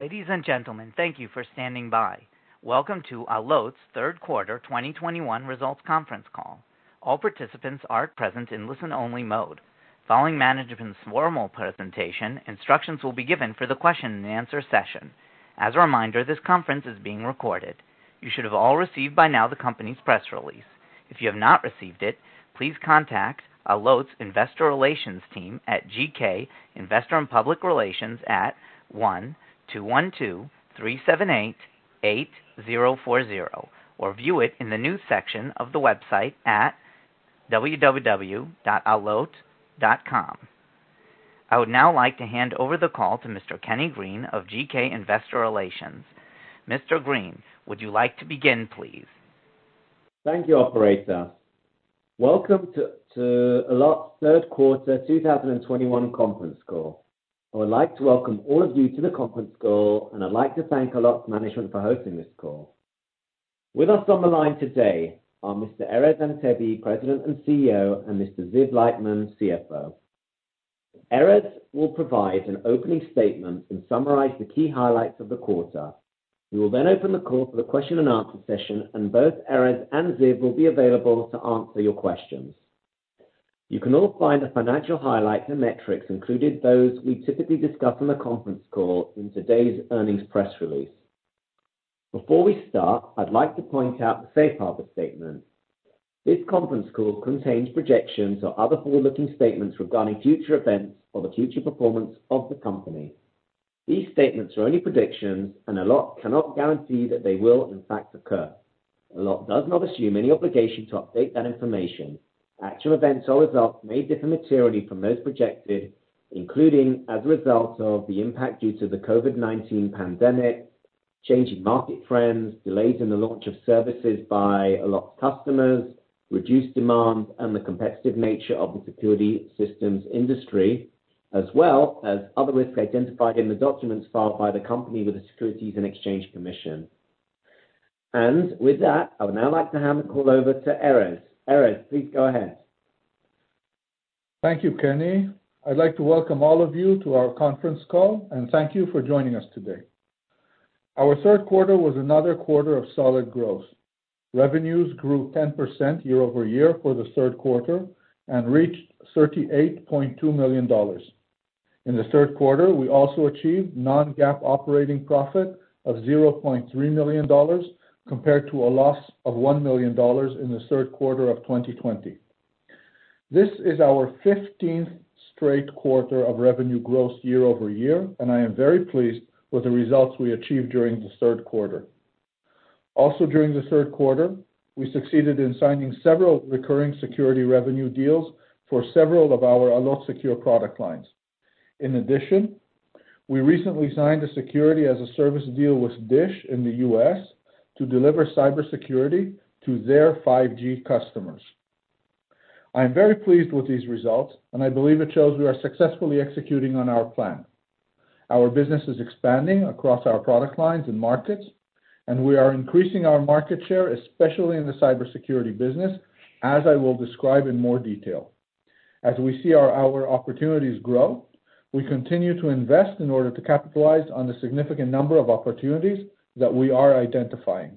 Ladies and gentlemen, thank you for standing by. Welcome to Allot's third quarter 2021 results conference call. All participants are present in listen-only mode. Following management's formal presentation, instructions will be given for the question and answer session. As a reminder, this conference is being recorded. You should have all received by now the company's press release. If you have not received it, please contact Allot's Investor Relations team at GK Investor and Public Relations at one, two, one, two-three, seven, eight-eight, zero, four, zero or view it in the news section of the website at www.allot.com. I would now like to hand over the call to Mr. Kenny Green of GK Investor Relations. Mr. Green, would you like to begin, please? Thank you, operator. Welcome to Allot's third quarter 2021 conference call. I would like to welcome all of you to the conference call, and I'd like to thank Allot management for hosting this call. With us on the line today are Mr. Erez Antebi, President and CEO, and Mr. Ziv Leitman, CFO. Erez will provide an opening statement and summarize the key highlights of the quarter. We will then open the call for the question and answer session, and both Erez and Ziv will be available to answer your questions. You can all find the financial highlights and metrics, including those we typically discuss on the conference call, in today's earnings press release. Before we start, I'd like to point out the safe harbor statement. This conference call contains projections or other forward-looking statements regarding future events or the future performance of the company. These statements are only predictions, and Allot cannot guarantee that they will in fact occur. Allot does not assume any obligation to update that information. Actual events or results may differ materially from those projected, including as a result of the impact due to the COVID-19 pandemic, changing market trends, delays in the launch of services by Allot's customers, reduced demand, and the competitive nature of the security systems industry, as well as other risks identified in the documents filed by the company with the Securities and Exchange Commission. With that, I would now like to hand the call over to Erez. Erez, please go ahead. Thank you, Kenny. I'd like to welcome all of you to our conference call, and thank you for joining us today. Our third quarter was another quarter of solid growth. Revenues grew 10% year-over-year for the third quarter and reached $38.2 million. In the third quarter, we also achieved non-GAAP operating profit of $0.3 million compared to a loss of $1 million in the third quarter of 2020. This is our fifteenth straight quarter of revenue growth year-over-year, and I am very pleased with the results we achieved during the third quarter. Also during the third quarter, we succeeded in signing several recurring security revenue deals for several of our Allot Secure product lines. In addition, we recently signed a security-as-a-service deal with DISH in the U.S. to deliver cybersecurity to their 5G customers. I am very pleased with these results, and I believe it shows we are successfully executing on our plan. Our business is expanding across our product lines and markets, and we are increasing our market share, especially in the cybersecurity business, as I will describe in more detail. As we see our opportunities grow, we continue to invest in order to capitalize on the significant number of opportunities that we are identifying.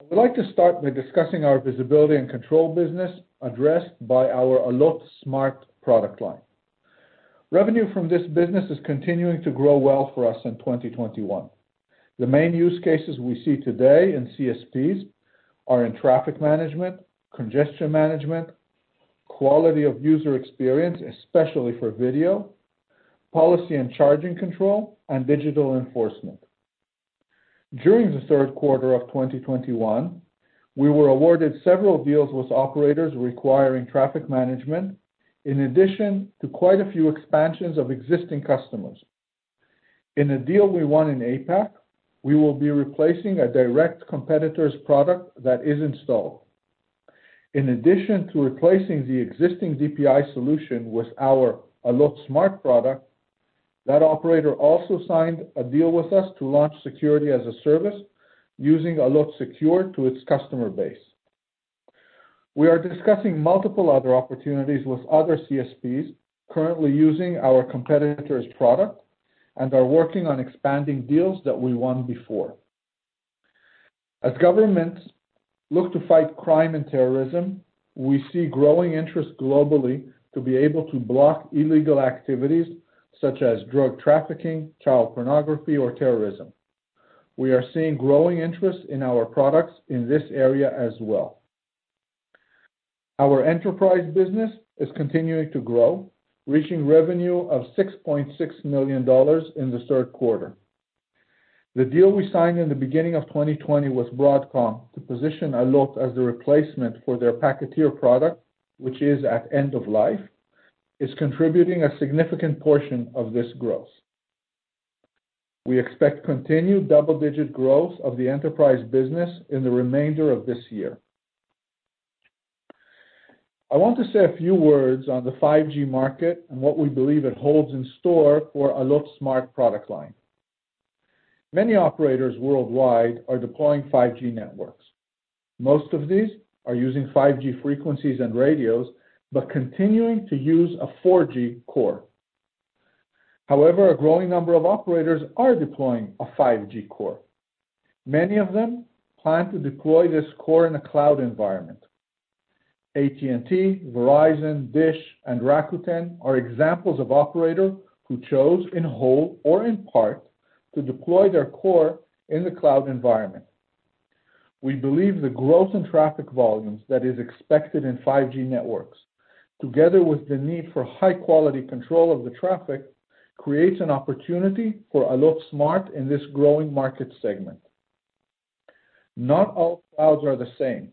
I would like to start by discussing our visibility and control business addressed by our Allot Smart product line. Revenue from this business is continuing to grow well for us in 2021. The main use cases we see today in CSPs are in traffic management, congestion management, quality of user experience, especially for video, policy and charging control, and digital enforcement. During the third quarter of 2021, we were awarded several deals with operators requiring traffic management in addition to quite a few expansions of existing customers. In a deal we won in APAC, we will be replacing a direct competitor's product that is installed. In addition to replacing the existing DPI solution with our Allot Smart product, that operator also signed a deal with us to launch Security-as-a-Service using Allot Secure to its customer base. We are discussing multiple other opportunities with other CSPs currently using our competitor's product and are working on expanding deals that we won before. As governments look to fight crime and terrorism, we see growing interest globally to be able to block illegal activities such as drug trafficking, child pornography, or terrorism. We are seeing growing interest in our products in this area as well. Our enterprise business is continuing to grow, reaching revenue of $6.6 million in the third quarter. The deal we signed in the beginning of 2020 with Broadcom to position Allot as the replacement for their PacketShaper product, which is at end of life, is contributing a significant portion of this growth. We expect continued double-digit growth of the enterprise business in the remainder of this year. I want to say a few words on the 5G market and what we believe it holds in store for Allot Smart product line. Many operators worldwide are deploying 5G networks. Most of these are using 5G frequencies and radios, but continuing to use a 4G core. However, a growing number of operators are deploying a 5G core. Many of them plan to deploy this core in a cloud environment. AT&T, Verizon, DISH, and Rakuten are examples of operators who chose, in whole or in part, to deploy their core in the cloud environment. We believe the growth in traffic volumes that is expected in 5G networks, together with the need for high quality control of the traffic, creates an opportunity for Allot Smart in this growing market segment. Not all clouds are the same.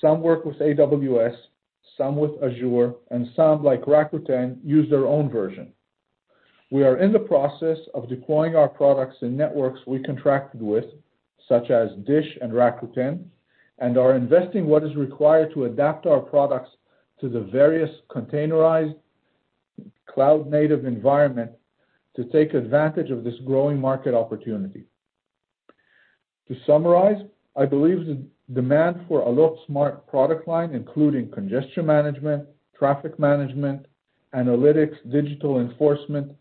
Some work with AWS, some with Azure, and some, like Rakuten, use their own version. We are in the process of deploying our products in networks we contracted with, such as DISH and Rakuten, and are investing what is required to adapt our products to the various containerized cloud-native environment to take advantage of this growing market opportunity. To summarize, I believe the demand for Allot Smart product line, including congestion management, traffic management, analytics, digital enforcement,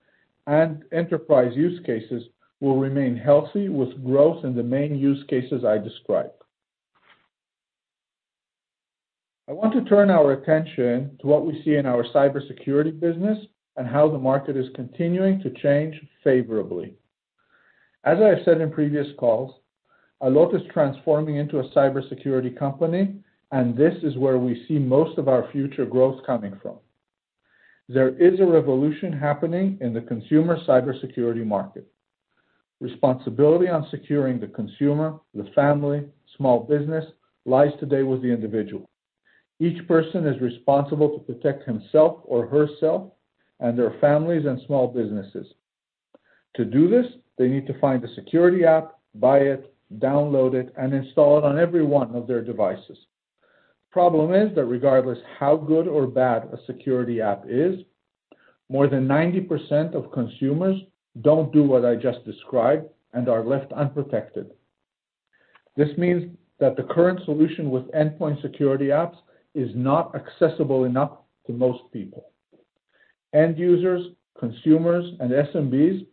and enterprise use cases, will remain healthy with growth in the main use cases I described. I want to turn our attention to what we see in our cybersecurity business and how the market is continuing to change favorably. As I have said in previous calls, Allot is transforming into a cybersecurity company, and this is where we see most of our future growth coming from. There is a revolution happening in the consumer cybersecurity market. Responsibility on securing the consumer, the family, small business, lies today with the individual. Each person is responsible to protect himself or herself and their families and small businesses. To do this, they need to find a security app, buy it, download it, and install it on every one of their devices. Problem is that regardless how good or bad a security app is, more than 90% of consumers don't do what I just described and are left unprotected. This means that the current solution with endpoint security apps is not accessible enough to most people. End users, consumers, and SMBs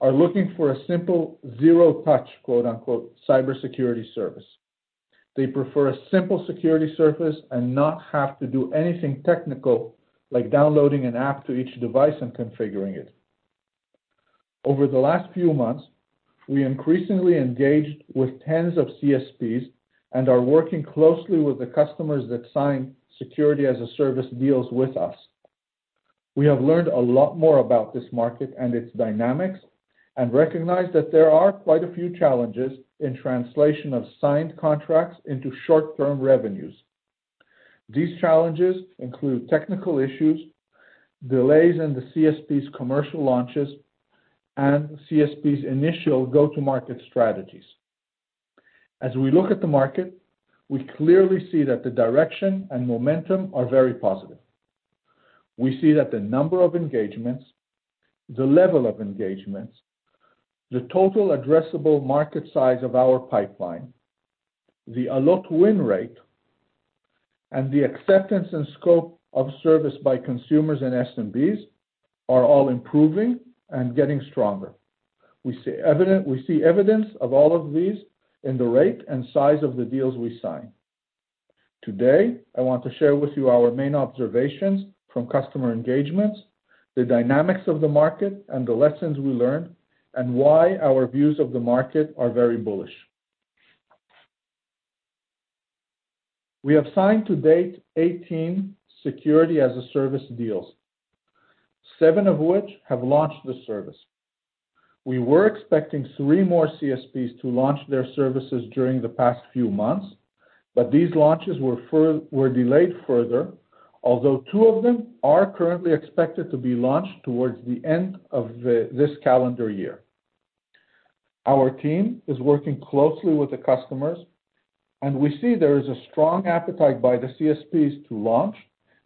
are looking for a simple zero-touch, quote-unquote, "cybersecurity service." They prefer a simple security service and not have to do anything technical like downloading an app to each device and configuring it. Over the last few months, we increasingly engaged with tens of CSPs and are working closely with the customers that sign security as a service deals with us. We have learned a lot more about this market and its dynamics and recognize that there are quite a few challenges in translation of signed contracts into short-term revenues. These challenges include technical issues, delays in the CSP's commercial launches, and CSP's initial go-to market strategies. As we look at the market, we clearly see that the direction and momentum are very positive. We see that the number of engagements, the level of engagements, the total addressable market size of our pipeline, the Allot win rate, and the acceptance and scope of service by consumers and SMBs are all improving and getting stronger. We see evidence of all of these in the rate and size of the deals we sign. Today, I want to share with you our main observations from customer engagements, the dynamics of the market, and the lessons we learned, and why our views of the market are very bullish. We have signed to date 18 security as a service deals, seven of which have launched the service. We were expecting three more CSPs to launch their services during the past few months, but these launches were delayed further. Although two of them are currently expected to be launched towards the end of this calendar year. Our team is working closely with the customers, and we see there is a strong appetite by the CSPs to launch,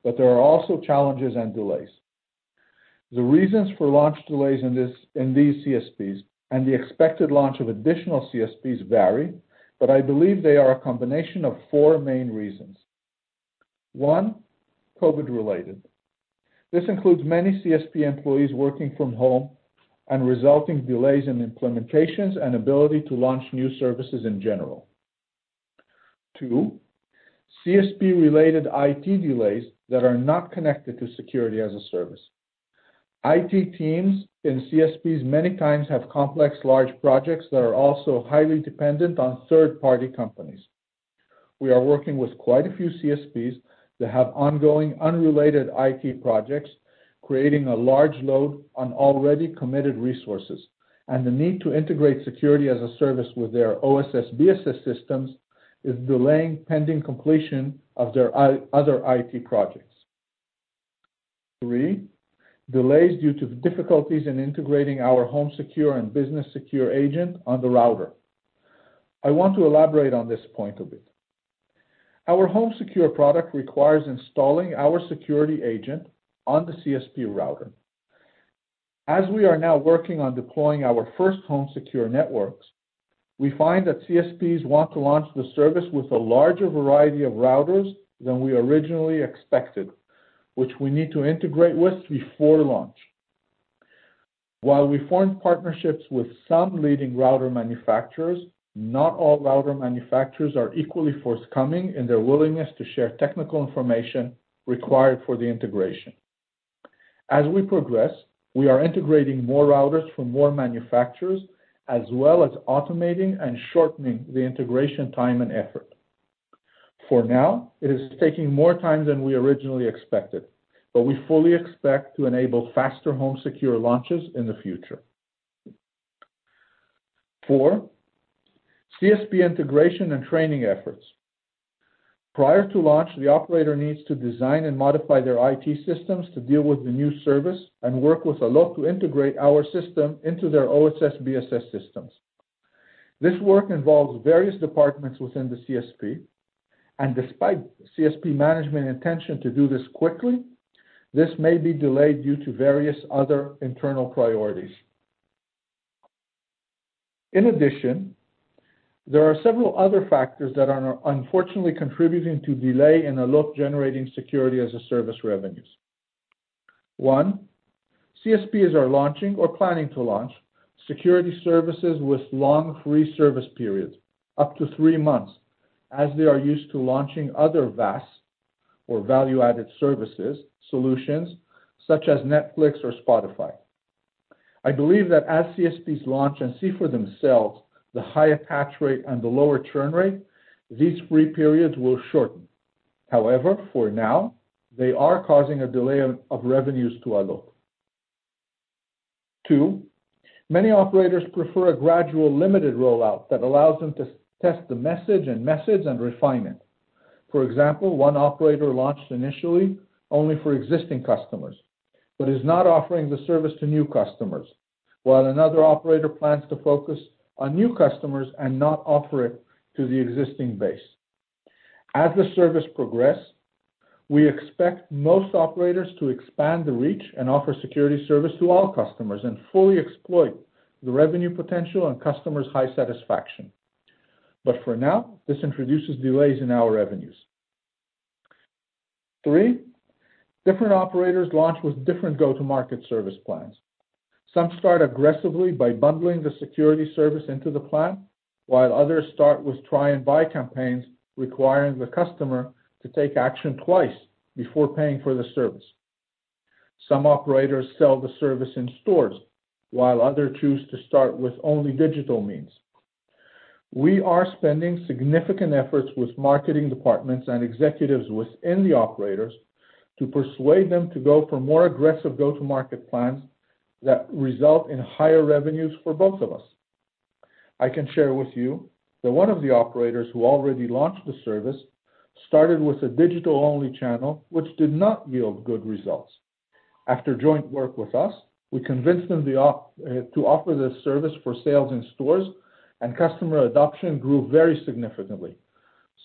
but there are also challenges and delays. The reasons for launch delays in these CSPs and the expected launch of additional CSPs vary, but I believe they are a combination of four main reasons. One. COVID-related. This includes many CSP employees working from home and resulting delays in implementations and ability to launch new services in general. Two. CSP-related IT delays that are not connected to security as a service. IT teams in CSPs many times have complex, large projects that are also highly dependent on third-party companies. We are working with quite a few CSPs that have ongoing, unrelated IT projects, creating a large load on already committed resources, and the need to integrate security as a service with their OSS/BSS systems is delaying pending completion of their other IT projects. Three: delays due to the difficulties in integrating our HomeSecure and BusinessSecure agent on the router. I want to elaborate on this point a bit. Our HomeSecure product requires installing our security agent on the CSP router. As we are now working on deploying our first HomeSecure networks, we find that CSPs want to launch the service with a larger variety of routers than we originally expected, which we need to integrate with before launch. While we formed partnerships with some leading router manufacturers, not all router manufacturers are equally forthcoming in their willingness to share technical information required for the integration. As we progress, we are integrating more routers from more manufacturers, as well as automating and shortening the integration time and effort. For now, it is taking more time than we originally expected, but we fully expect to enable faster HomeSecure launches in the future. Four, CSP integration and training efforts. Prior to launch, the operator needs to design and modify their IT systems to deal with the new service and work with Allot to integrate our system into their OSS/BSS systems. This work involves various departments within the CSP, and despite CSP management intention to do this quickly, this may be delayed due to various other internal priorities. In addition, there are several other factors that are unfortunately contributing to delay in Allot generating security as a service revenues. One, CSPs are launching or planning to launch security services with long free service periods, up to three months, as they are used to launching other VAS or value-added services solutions such as Netflix or Spotify. I believe that as CSPs launch and see for themselves the high attach rate and the lower churn rate, these free periods will shorten. However, for now, they are causing a delay of revenues to Allot. Two, many operators prefer a gradual limited rollout that allows them to test the message and refine it. For example, one operator launched initially only for existing customers, but is not offering the service to new customers, while another operator plans to focus on new customers and not offer it to the existing base. As the service progresses, we expect most operators to expand the reach and offer security service to all customers and fully exploit the revenue potential and customers' high satisfaction. For now, this introduces delays in our revenues. Three, different operators launch with different go-to-market service plans. Some start aggressively by bundling the security service into the plan, while others start with try-and-buy campaigns requiring the customer to take action twice before paying for the service. Some operators sell the service in stores, while others choose to start with only digital means. We are spending significant efforts with marketing departments and executives within the operators to persuade them to go for more aggressive go-to-market plans that result in higher revenues for both of us. I can share with you that one of the operators who already launched the service started with a digital-only channel, which did not yield good results. After joint work with us, we convinced them to offer the service for sales in stores, and customer adoption grew very significantly.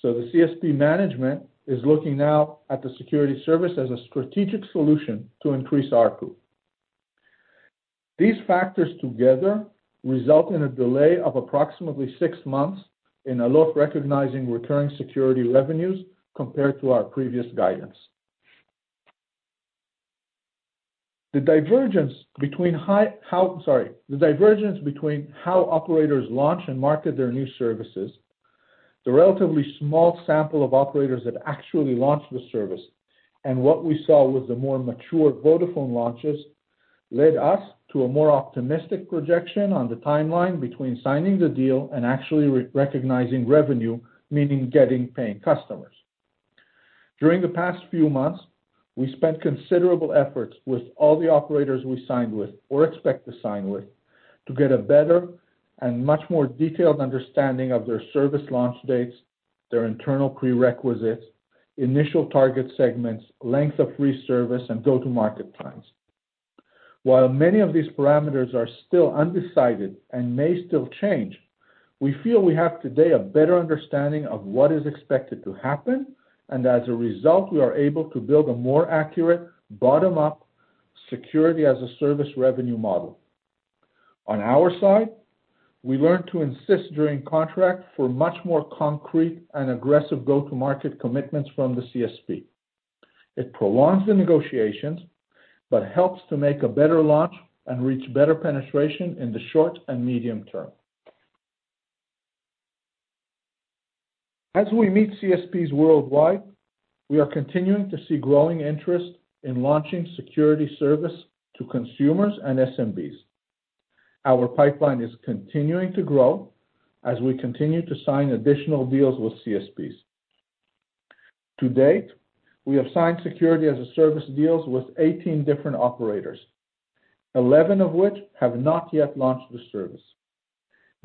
The CSP management is looking now at the security service as a strategic solution to increase ARPU. These factors together result in a delay of approximately six months in Allot recognizing recurring security revenues compared to our previous guidance. The divergence between how operators launch and market their new services, the relatively small sample of operators that actually launched the service, and what we saw with the more mature Vodafone launches led us to a more optimistic projection on the timeline between signing the deal and actually re-recognizing revenue, meaning getting paying customers. During the past few months, we spent considerable efforts with all the operators we signed with or expect to sign with to get a better and much more detailed understanding of their service launch dates, their internal prerequisites, initial target segments, length of free service, and go-to-market plans. While many of these parameters are still undecided and may still change, we feel we have today a better understanding of what is expected to happen, and as a result, we are able to build a more accurate bottom-up Security-as-a-Service revenue model. On our side, we learned to insist during contract for much more concrete and aggressive go-to-market commitments from the CSP. It prolongs the negotiations, but helps to make a better launch and reach better penetration in the short and medium term. As we meet CSPs worldwide, we are continuing to see growing interest in launching security service to consumers and SMBs. Our pipeline is continuing to grow as we continue to sign additional deals with CSPs. To date, we have signed security as a service deals with 18 different operators, 11 of which have not yet launched the service.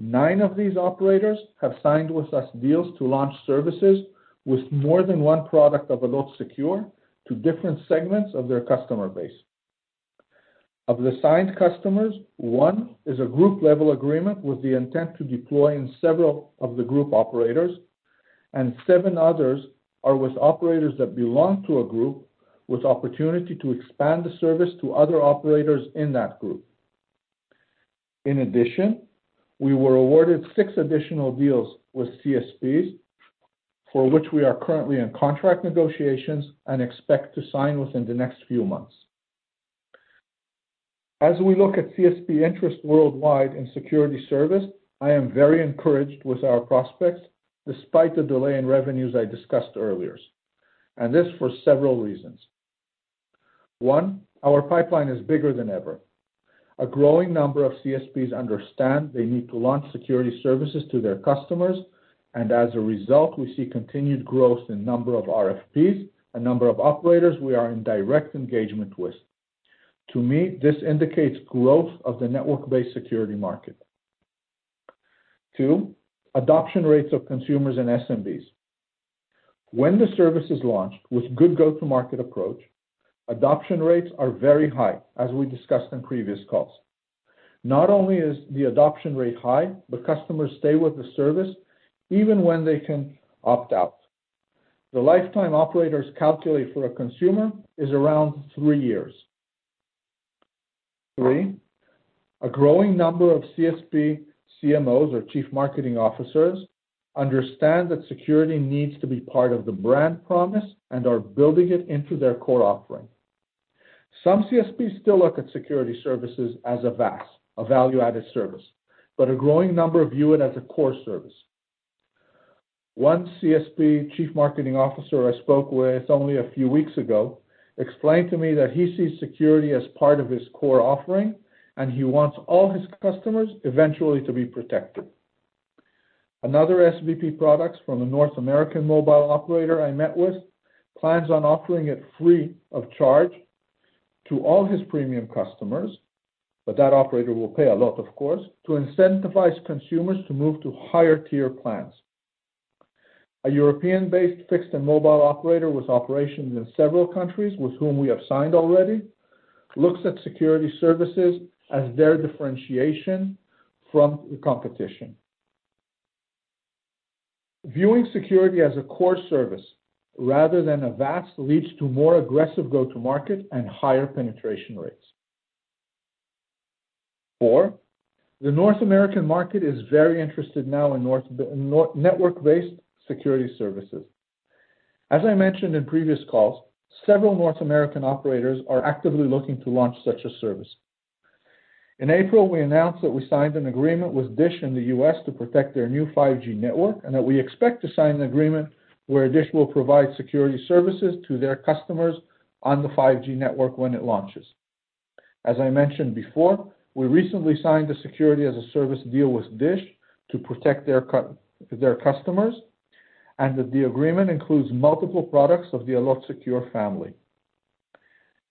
Nine of these operators have signed with us deals to launch services with more than one product of Allot Secure to different segments of their customer base. Of the signed customers, 1 is a group level agreement with the intent to deploy in several of the group operators, and seven others are with operators that belong to a group with opportunity to expand the service to other operators in that group. In addition, we were awarded six additional deals with CSPs, for which we are currently in contract negotiations and expect to sign within the next few months. As we look at CSP interest worldwide in security service, I am very encouraged with our prospects despite the delay in revenues I discussed earlier, and this for several reasons. One, our pipeline is bigger than ever. A growing number of CSPs understand they need to launch security services to their customers, and as a result, we see continued growth in number of RFPs, a number of operators we are in direct engagement with. To me, this indicates growth of the network-based security market. Two, adoption rates of consumers and SMBs. When the service is launched with good go-to-market approach, adoption rates are very high, as we discussed in previous calls. Not only is the adoption rate high, but customers stay with the service even when they can opt out. The lifetime operators calculate for a consumer is around three years. Three, a growing number of CSP CMOs or chief marketing officers understand that security needs to be part of the brand promise and are building it into their core offering. Some CSPs still look at security services as a VAS, a value-added service, but a growing number view it as a core service. One CSP chief marketing officer I spoke with only a few weeks ago explained to me that he sees security as part of his core offering, and he wants all his customers eventually to be protected. Another SVP products from a North American mobile operator I met with plans on offering it free of charge to all his premium customers, but that operator will pay a lot, of course, to incentivize consumers to move to higher tier plans. A European-based fixed and mobile operator with operations in several countries with whom we have signed already looks at security services as their differentiation from the competition. Viewing security as a core service rather than a VAS leads to more aggressive go-to-market and higher penetration rates. Four, the North American market is very interested now in network-based security services. As I mentioned in previous calls, several North American operators are actively looking to launch such a service. In April, we announced that we signed an agreement with DISH in the U.S. to protect their new 5G network, and that we expect to sign an agreement where DISH will provide security services to their customers on the 5G network when it launches. As I mentioned before, we recently signed a security-as-a-service deal with DISH to protect their customers, and that the agreement includes multiple products of the Allot Secure family.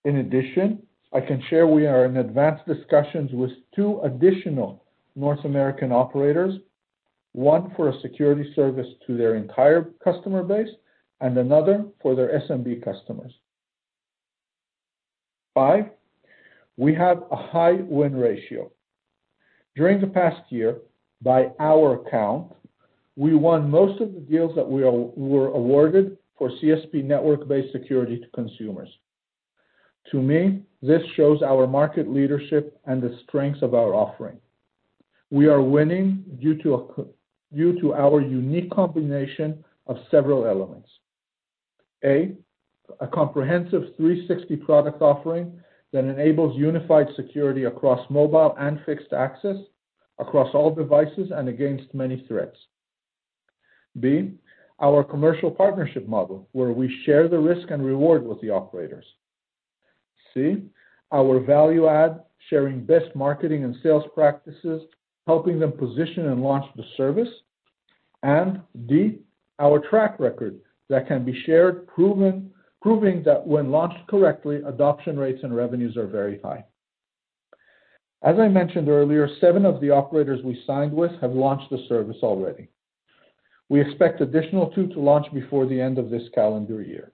In addition, I can share we are in advanced discussions with two additional North American operators, one for a security service to their entire customer base and another for their SMB customers. Fifth, we have a high win ratio. During the past year, by our account, we won most of the deals that we were awarded for CSP network-based security to consumers. To me, this shows our market leadership and the strengths of our offering. We are winning due to our unique combination of several elements. A, a comprehensive 360 product offering that enables unified security across mobile and fixed access, across all devices and against many threats. B, our commercial partnership model, where we share the risk and reward with the operators. C, our value add, sharing best marketing and sales practices, helping them position and launch the service. And D, our track record that can be shared, proven, proving that when launched correctly, adoption rates and revenues are very high. As I mentioned earlier, seven of the operators we signed with have launched the service already. We expect additional two to launch before the end of this calendar year.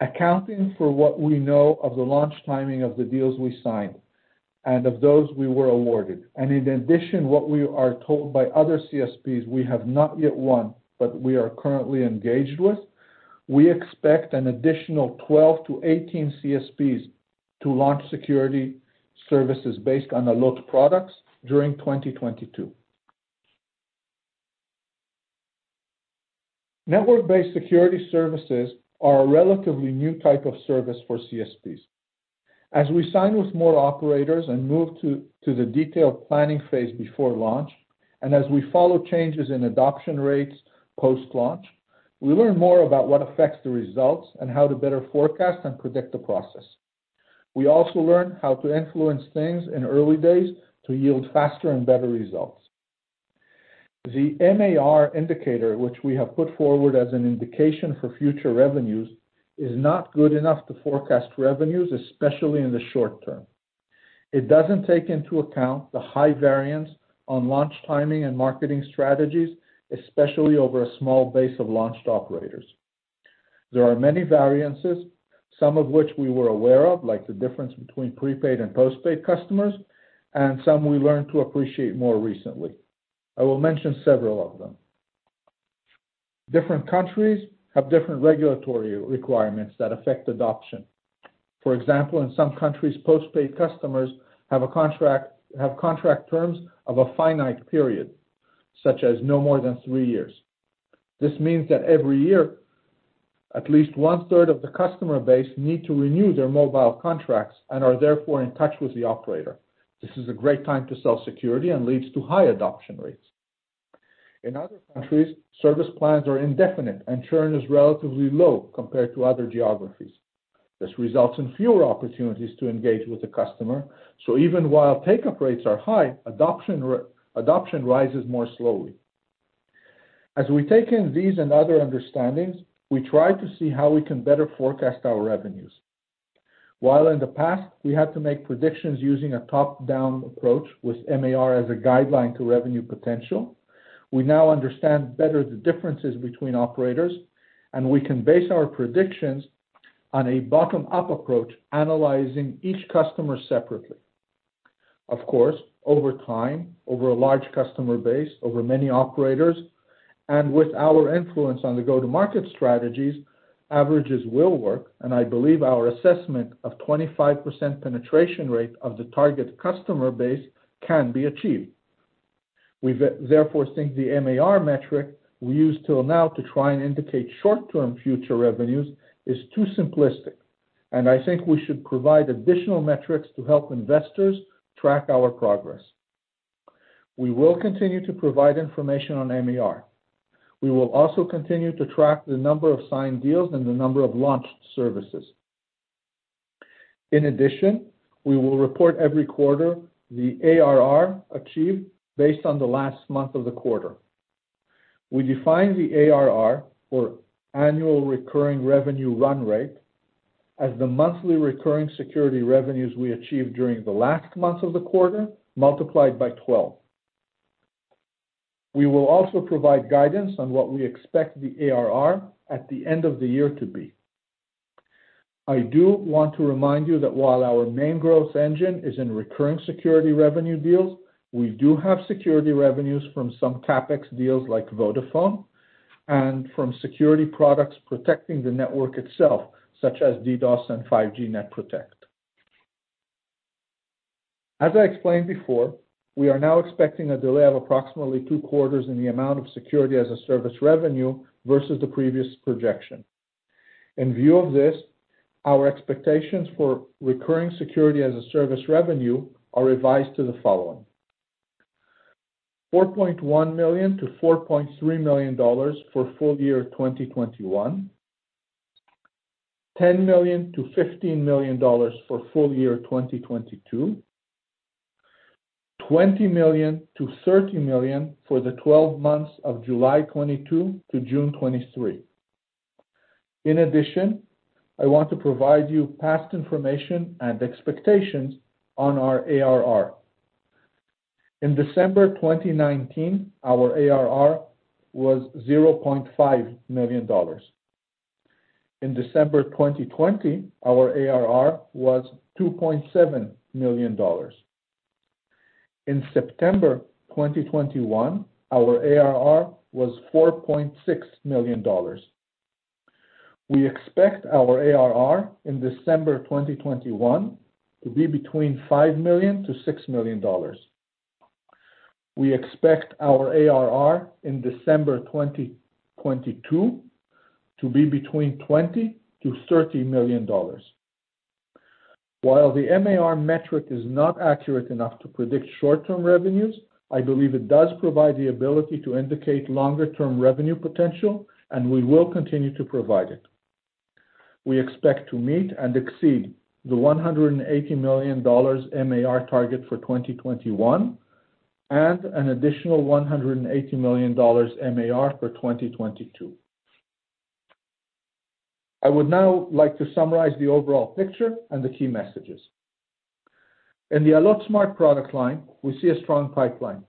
Accounting for what we know of the launch timing of the deals we signed and of those we were awarded, and in addition, what we are told by other CSPs we have not yet won, but we are currently engaged with, we expect an additional 12 CSPs-18 CSPs to launch security services based on Allot products during 2022. Network-based security services are a relatively new type of service for CSPs. As we sign with more operators and move to the detailed planning phase before launch, and as we follow changes in adoption rates post-launch, we learn more about what affects the results and how to better forecast and predict the process. We also learn how to influence things in early days to yield faster and better results. The MAR indicator, which we have put forward as an indication for future revenues, is not good enough to forecast revenues, especially in the short term. It doesn't take into account the high variance on launch timing and marketing strategies, especially over a small base of launched operators. There are many variances, some of which we were aware of, like the difference between prepaid and postpaid customers, and some we learned to appreciate more recently. I will mention several of them. Different countries have different regulatory requirements that affect adoption. For example, in some countries, postpaid customers have contract terms of a finite period, such as no more than three years. This means that every year, at least one-third of the customer base need to renew their mobile contracts and are therefore in touch with the operator. This is a great time to sell security and leads to high adoption rates. In other countries, service plans are indefinite, and churn is relatively low compared to other geographies. This results in fewer opportunities to engage with the customer, so even while take-up rates are high, adoption rises more slowly. As we take in these and other understandings, we try to see how we can better forecast our revenues. While in the past, we had to make predictions using a top-down approach with MAR as a guideline to revenue potential, we now understand better the differences between operators, and we can base our predictions on a bottom-up approach, analyzing each customer separately. Of course, over time, over a large customer base, over many operators, and with our influence on the go-to-market strategies, averages will work, and I believe our assessment of 25% penetration rate of the target customer base can be achieved. We therefore think the MAR metric we use till now to try and indicate short-term future revenues is too simplistic, and I think we should provide additional metrics to help investors track our progress. We will continue to provide information on MAR. We will also continue to track the number of signed deals and the number of launched services. In addition, we will report every quarter the ARR achieved based on the last month of the quarter. We define the ARR, or annual recurring revenue run rate, as the monthly recurring security revenues we achieved during the last month of the quarter, multiplied by 12. We will also provide guidance on what we expect the ARR at the end of the year to be. I do want to remind you that while our main growth engine is in recurring security revenue deals, we do have security revenues from some CapEx deals, like Vodafone, and from security products protecting the network itself, such as DDoS and 5G NetProtect. As I explained before, we are now expecting a delay of approximately two quarters in the amount of security as a service revenue versus the previous projection. In view of this, our expectations for recurring security as a service revenue are revised to the following. $4.1 million-$4.3 million for full year 2021. $10 million-$15 million for full year 2022. $20 million-$30 million for the twelve months of July 2022 to June 2023. In addition, I want to provide you past information and expectations on our ARR. In December 2019, our ARR was $0.5 million. In December 2020, our ARR was $2.7 million. In September 2021, our ARR was $4.6 million. We expect our ARR in December 2021 to be between $5 million-$6 million. We expect our ARR in December 2022 to be between $20 million-$30 million. While the MAR metric is not accurate enough to predict short-term revenues, I believe it does provide the ability to indicate longer-term revenue potential, and we will continue to provide it. We expect to meet and exceed the $180 million MAR target for 2021 and an additional $180 million MAR for 2022. I would now like to summarize the overall picture and the key messages. In the Allot Smart product line, we see a strong pipeline.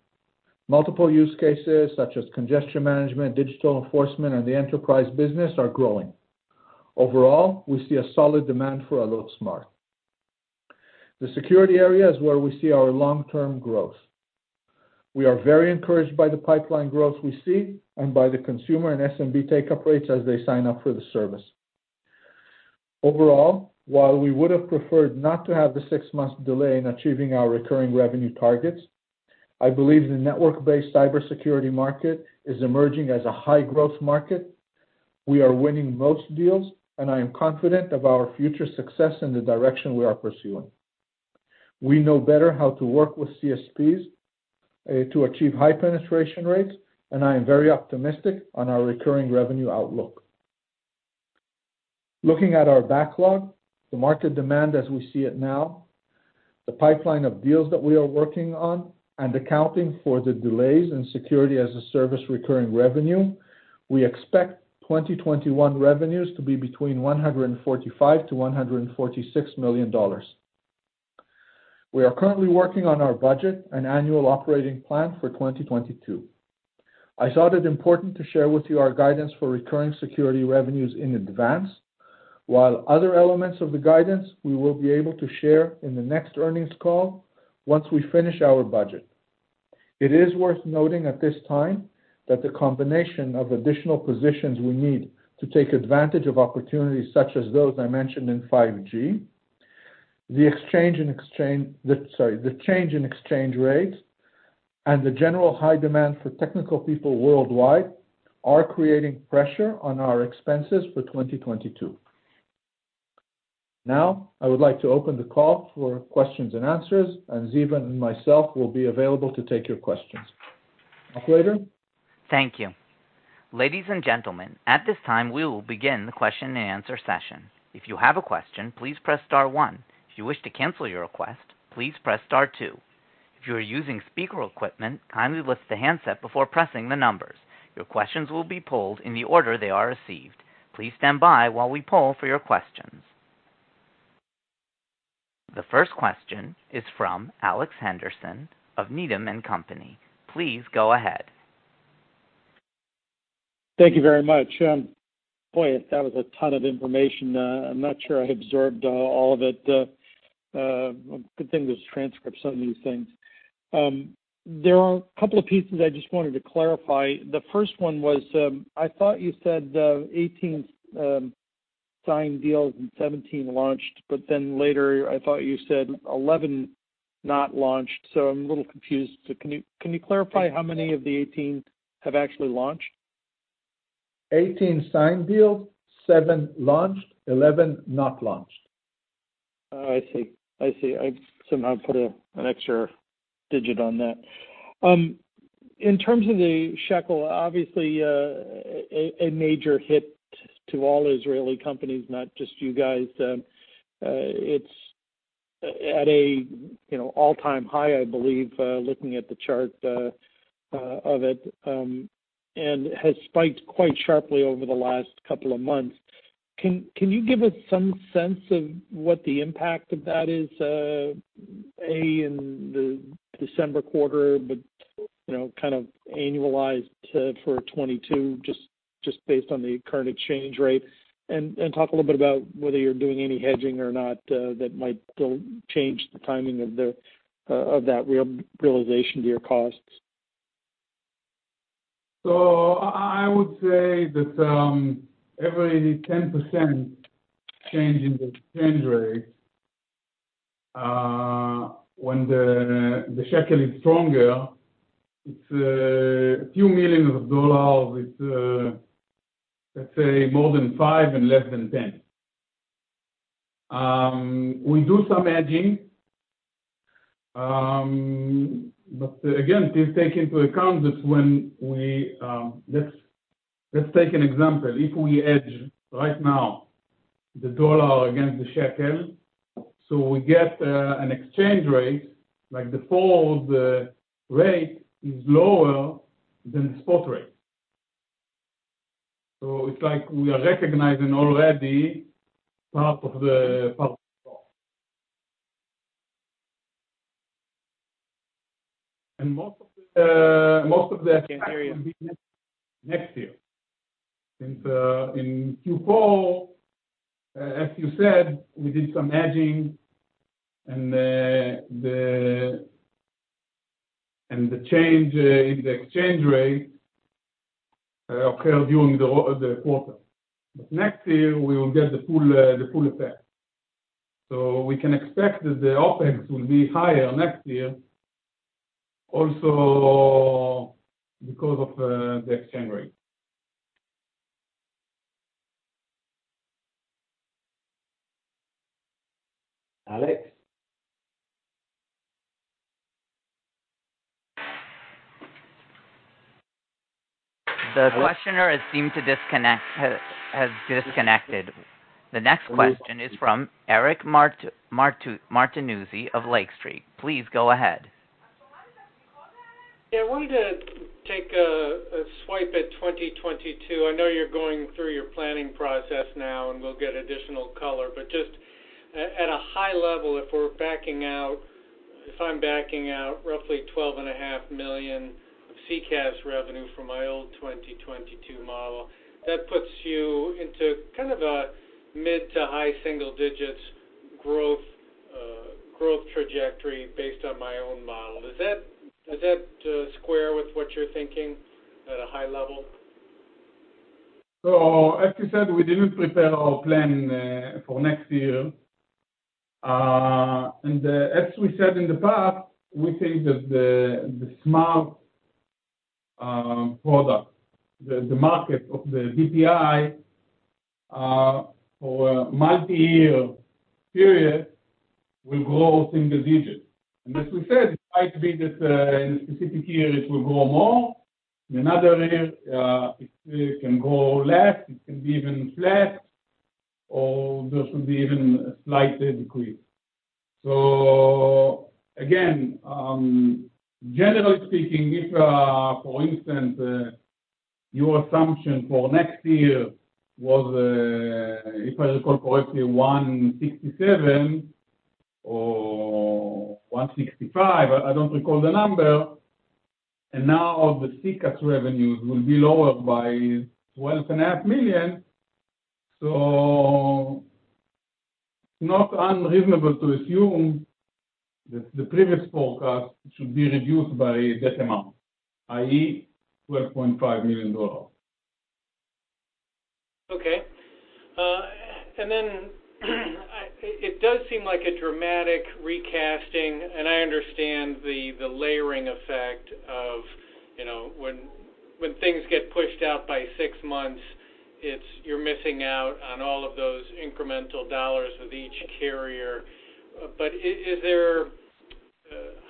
Multiple use cases, such as congestion management, digital enforcement, and the enterprise business, are growing. Overall, we see a solid demand for Allot Smart. The security area is where we see our long-term growth. We are very encouraged by the pipeline growth we see and by the consumer and SMB take-up rates as they sign up for the service. Overall, while we would have preferred not to have the six-month delay in achieving our recurring revenue targets, I believe the network-based cybersecurity market is emerging as a high-growth market. We are winning most deals, and I am confident of our future success in the direction we are pursuing. We know better how to work with CSPs to achieve high penetration rates, and I am very optimistic on our recurring revenue outlook. Looking at our backlog, the market demand as we see it now, the pipeline of deals that we are working on, and accounting for the delays in security as a service recurring revenue, we expect 2021 revenues to be between $145 million-$146 million. We are currently working on our budget and annual operating plan for 2022. I thought it important to share with you our guidance for recurring security revenues in advance. While other elements of the guidance we will be able to share in the next earnings call once we finish our budget. It is worth noting at this time that the combination of additional positions we need to take advantage of opportunities such as those I mentioned in 5G, the change in exchange rates, and the general high demand for technical people worldwide are creating pressure on our expenses for 2022. Now, I would like to open the call for questions and answers, and Ziv and myself will be available to take your questions. Operator? Thank you. Ladies and gentlemen, at this time, we will begin the question and answer session. If you have a question, please press star one. If you wish to cancel your request, please press star two. If you are using speaker equipment, kindly lift the handset before pressing the numbers. Your questions will be pulled in the order they are received. Please stand by while we pull for your questions. The first question is from Alex Henderson of Needham & Company. Please go ahead. Thank you very much. Boy, that was a ton of information. I'm not sure I observed all of it. Good thing there's a transcript of some of these things. There are a couple of pieces I just wanted to clarify. The first one was, I thought you said 18 signed deals and 17 launched, but then later I thought you said 11 not launched, so I'm a little confused. Can you clarify how many of the 18 have actually launched? 18 signed deals, seven launched, 11 not launched. Oh, I see. I somehow put an extra digit on that. In terms of the shekel, obviously, a major hit to all Israeli companies, not just you guys. It's at an all-time high, you know, I believe, looking at the chart, of it, and has spiked quite sharply over the last couple of months. Can you give us some sense of what the impact of that is, in the December quarter, but, you know, kind of annualized, too, for 2022, just based on the current exchange rate? Talk a little bit about whether you're doing any hedging or not, that might change the timing of that realization to your costs. I would say that every 10% change in the exchange rate when the shekel is stronger, it's a few million dollars. It's let's say more than $5 million and less than $10 million. We do some hedging. Again, please take into account that when we... Let's take an example. If we hedge right now the dollar against the shekel, we get an exchange rate like default rate is lower than the spot rate. It's like we are recognizing already part of the part. Most of the Can't hear you. Next year. In Q4, as you said, we did some hedging, and the change in the exchange rate occurred during the quarter. Next year, we will get the full effect. We can expect that the OpEx will be higher next year also because of the exchange rate. Alex? The questioner has seemed to disconnect, has disconnected. The next question is from Eric Martinuzzi of Lake Street. Please go ahead. Yeah. I wanted to take a swipe at 2022. I know you're going through your planning process now, and we'll get additional color. Just at a high level, if I'm backing out roughly $12.5 million of SECaaS revenue from my old 2022 model, that puts you into kind of a mid- to high-single-digits growth trajectory based on my own model. Does that square with what you're thinking at a high level? As we said, we didn't prepare our planning for next year. As we said in the past, we think that the Smart product, the market of the DPI for multi-year period will grow single digits. As we said, it might be that in a specific year, it will grow more. In another year, it can grow less. It can be even flat, or there could be even a slight decrease. Again, generally speaking, if for instance Your assumption for next year was, if I recall correctly, $167 million or $165 million. I don't recall the number. Now the SECaaS revenues will be lowered by $12.5 million. Not unreasonable to assume that the previous forecast should be reduced by that amount, i.e., $12.5 million. Okay. It does seem like a dramatic recasting, and I understand the layering effect of, you know, when things get pushed out by six months. You're missing out on all of those incremental dollars with each carrier.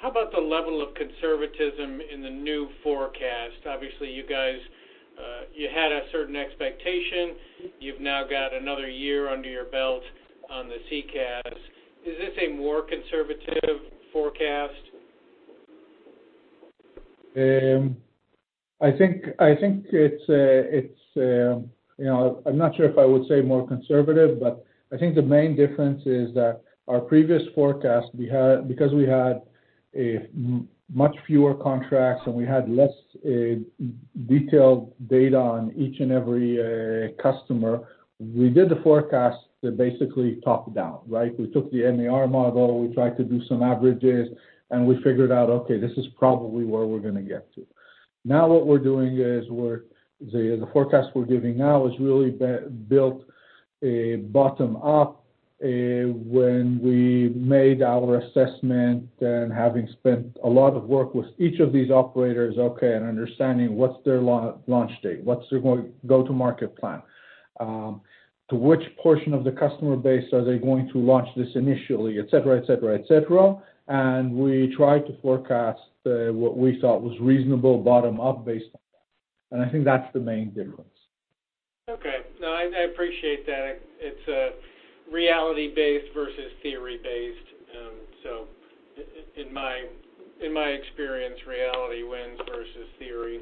How about the level of conservatism in the new forecast? Obviously, you guys had a certain expectation. You've now got another year under your belt on the SECaaS. Is this a more conservative forecast? I think it's, you know, I'm not sure if I would say more conservative, but I think the main difference is that our previous forecast we had, because we had much fewer contracts and we had less detailed data on each and every customer, we did the forecast that basically top-down, right? We took the MAR model, we tried to do some averages, and we figured out, okay, this is probably where we're gonna get to. Now what we're doing is the forecast we're giving now is really built bottom up. When we made our assessment and having spent a lot of work with each of these operators, okay, and understanding what's their launch date, what's their go-to market plan, to which portion of the customer base are they going to launch this initially, et cetera. We try to forecast what we thought was reasonable bottom-up based on that. I think that's the main difference. Okay. No, I appreciate that. It's reality-based versus theory-based. In my experience, reality wins versus theory.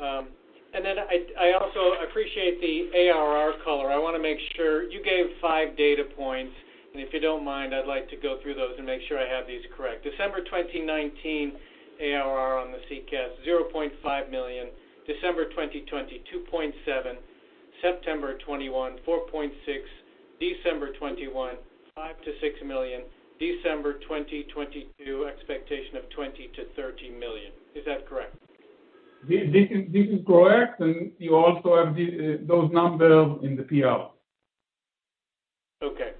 I also appreciate the ARR color. I wanna make sure. You gave five data points, and if you don't mind, I'd like to go through those and make sure I have these correct. December 2019, ARR on the SECaaS, $0.5 million. December 2020, $2.7 million. September 2021, $4.6 million. December 2021, $5 million-$6 million. December 2022, expectation of $20 million-$30 million. Is that correct? This is correct, and you also have those numbers in the PR. Okay.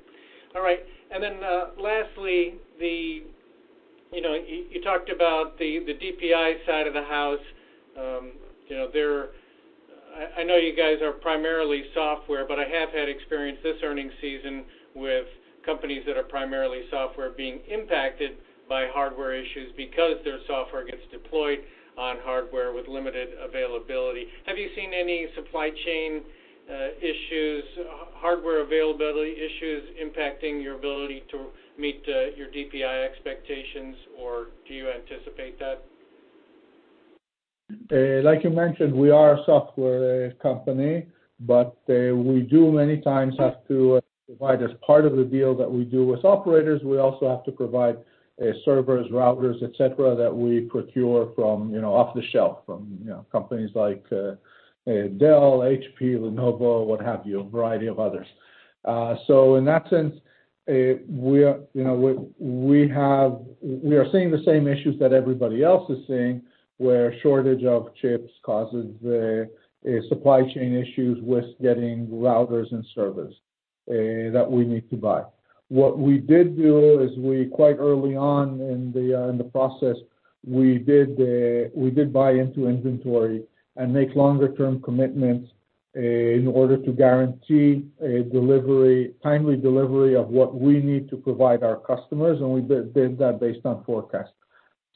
All right. Then, lastly, you know, you talked about the DPI side of the house. You know, I know you guys are primarily software, but I have had experience this earning season with companies that are primarily software being impacted by hardware issues because their software gets deployed on hardware with limited availability. Have you seen any supply chain issues, hardware availability issues impacting your ability to meet your DPI expectations, or do you anticipate that? Like you mentioned, we are a software company, but we do many times have to provide as part of the deal that we do with operators. We also have to provide servers, routers, et cetera, that we procure from, you know, off the shelf, from, you know, companies like Dell, HP, Lenovo, what have you, a variety of others. So in that sense, we are seeing the same issues that everybody else is seeing, where shortage of chips causes supply chain issues with getting routers and servers that we need to buy. What we did do is we quite early on in the process, we did buy into inventory and make longer term commitments in order to guarantee a delivery, timely delivery of what we need to provide our customers, and we did that based on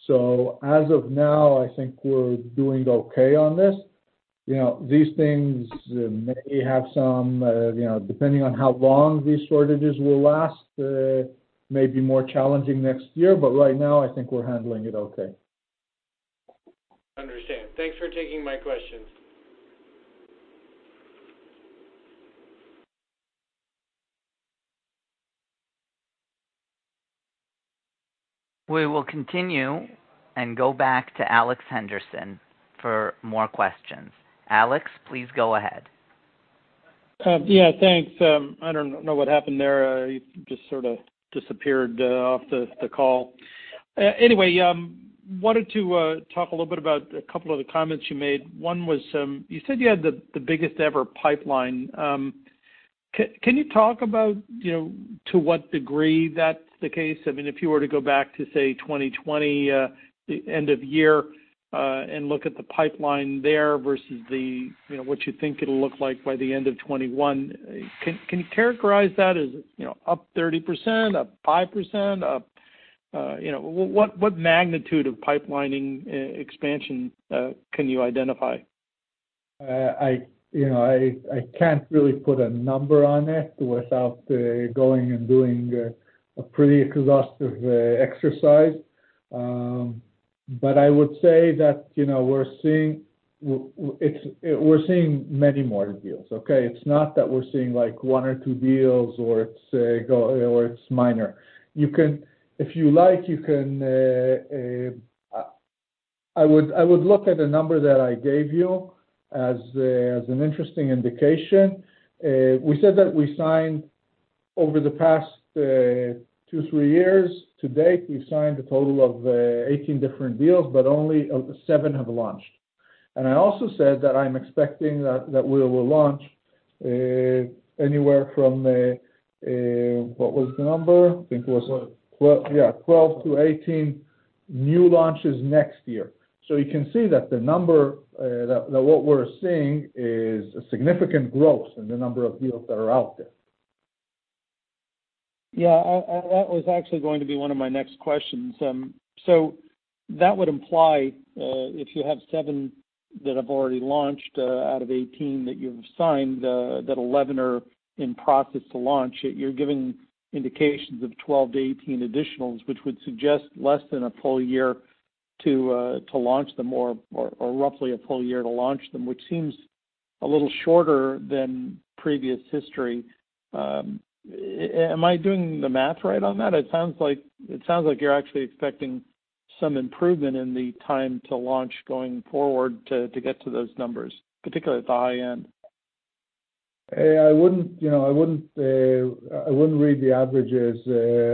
forecast. As of now, I think we're doing okay on this. You know, these things may have some, you know, depending on how long these shortages will last, may be more challenging next year, but right now I think we're handling it okay. Understand. Thanks for taking my questions. We will continue and go back to Alex Henderson for more questions. Alex, please go ahead. Yeah, thanks. I don't know what happened there. You just sorta disappeared off the call. Anyway, wanted to talk a little bit about a couple of the comments you made. One was, you said you had the biggest ever pipeline. Can you talk about, you know, to what degree that's the case? I mean, if you were to go back to, say, 2020, end of year, and look at the pipeline there versus the, you know, what you think it'll look like by the end of 2021. Can you characterize that as, you know, up 30%, up 5%, up? You know, what magnitude of pipeline expansion can you identify? I can't really put a number on it without going and doing a pretty exhaustive exercise. But I would say that, you know, we're seeing many more deals, okay? It's not that we're seeing like one or two deals or it's minor. You can, if you like, I would look at the number that I gave you as an interesting indication. We said that we signed over the past two, three years to date, we've signed a total of 18 different deals, but only seven have launched. I also said that I'm expecting that we will launch anywhere from what was the number? I think it was- Twelve. 12, yeah, 12-18 new launches next year. You can see that the number that we're seeing is a significant growth in the number of deals that are out there. Yeah. That was actually going to be one of my next questions. That would imply, if you have 7 that have already launched, out of 18 that you've signed, that 11 are in process to launch. You're giving indications of 12-18 additionals, which would suggest less than a full year to launch them or roughly a full year to launch them, which seems a little shorter than previous history. Am I doing the math right on that? It sounds like you're actually expecting some improvement in the time to launch going forward to get to those numbers, particularly at the high end. I wouldn't, you know, read the averages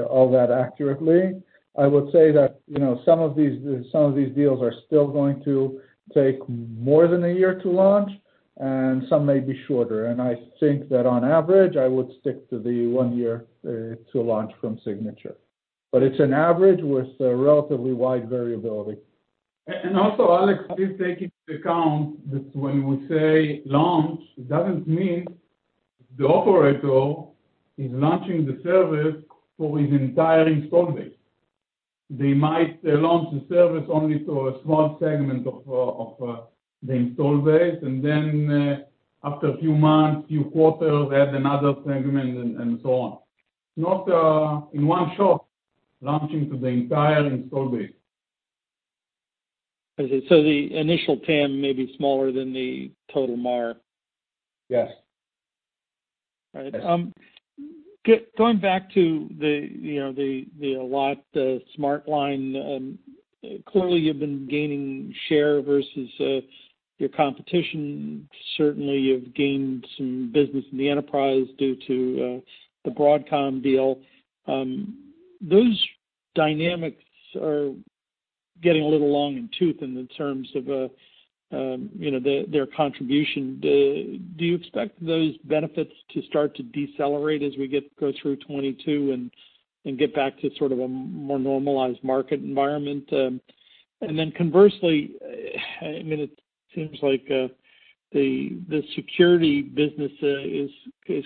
all that accurately. I would say that, you know, some of these deals are still going to take more than a year to launch, and some may be shorter. I think that on average, I would stick to the one year to launch from signature. It's an average with a relatively wide variability. Alex, please take into account that when we say launch, it doesn't mean the operator is launching the service for his entire install base. They might launch the service only to a small segment of the install base, and then, after a few months, few quarters, add another segment and so on. It's not in one shot launching to the entire install base. I see. The initial TAM may be smaller than the total MAR. Yes. All right. Going back to the, you know, the Allot Smart line, clearly you've been gaining share versus your competition. Certainly, you've gained some business in the enterprise due to the Broadcom deal. Those dynamics are getting a little long in the tooth in terms of, you know, their contribution. Do you expect those benefits to start to decelerate as we go through 2022 and get back to sort of a more normalized market environment? Conversely, I mean, it seems like the security business is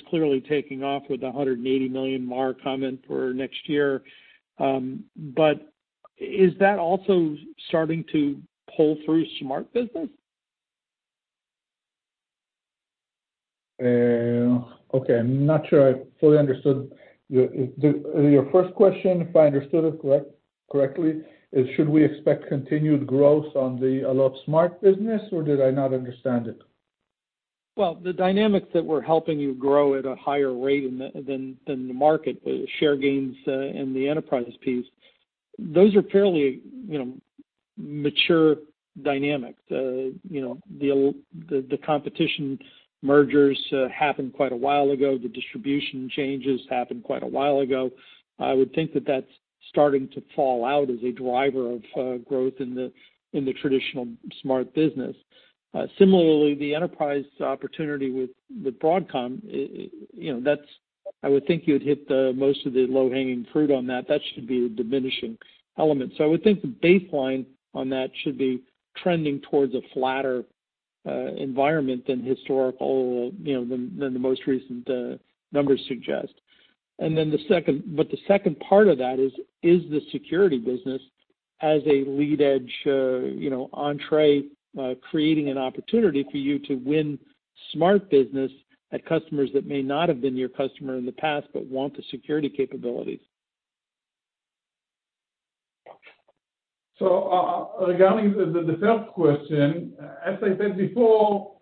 clearly taking off with the $180 million MAR comment for next year. Is that also starting to pull through Smart business? Okay. I'm not sure I fully understood your first question, if I understood it correctly, is should we expect continued growth on the Allot Smart business, or did I not understand it? Well, the dynamics that were helping you grow at a higher rate than the market, the share gains, and the enterprise piece, those are fairly, you know, mature dynamics. You know, the competition mergers happened quite a while ago. The distribution changes happened quite a while ago. I would think that that's starting to fall out as a driver of growth in the traditional Smart business. Similarly, the enterprise opportunity with Broadcom, you know, that's, I would think you'd hit most of the low-hanging fruit on that. That should be a diminishing element. I would think the baseline on that should be trending towards a flatter environment than historical, you know, than the most recent numbers suggest. The second part of that is the security business as a lead edge, you know, entrée, creating an opportunity for you to win Smart business at customers that may not have been your customer in the past but want the security capabilities? Regarding the third question, as I said before,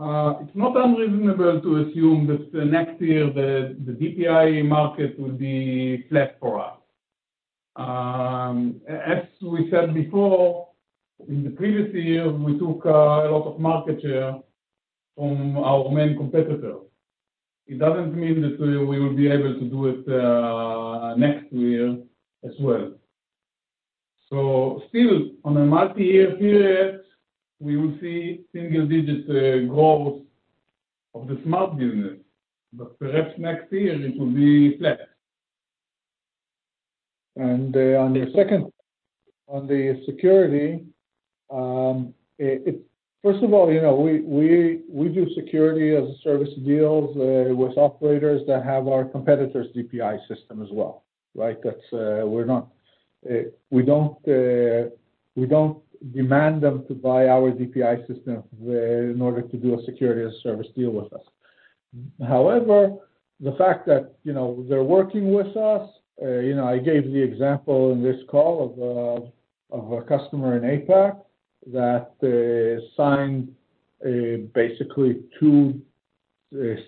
it's not unreasonable to assume that next year the DPI market will be flat for us. As we said before, in the previous year, we took a lot of market share from our main competitor. It doesn't mean that we will be able to do it next year as well. Still, on a multi-year period, we will see single-digit growth of the Smart business, but perhaps next year it will be flat. On the second, on the security, first of all, you know, we do security as a service deals with operators that have our competitor's DPI system as well, right? We don't demand them to buy our DPI system in order to do a security as a service deal with us. However, the fact that, you know, they're working with us, you know, I gave the example in this call of a customer in APAC that signed basically two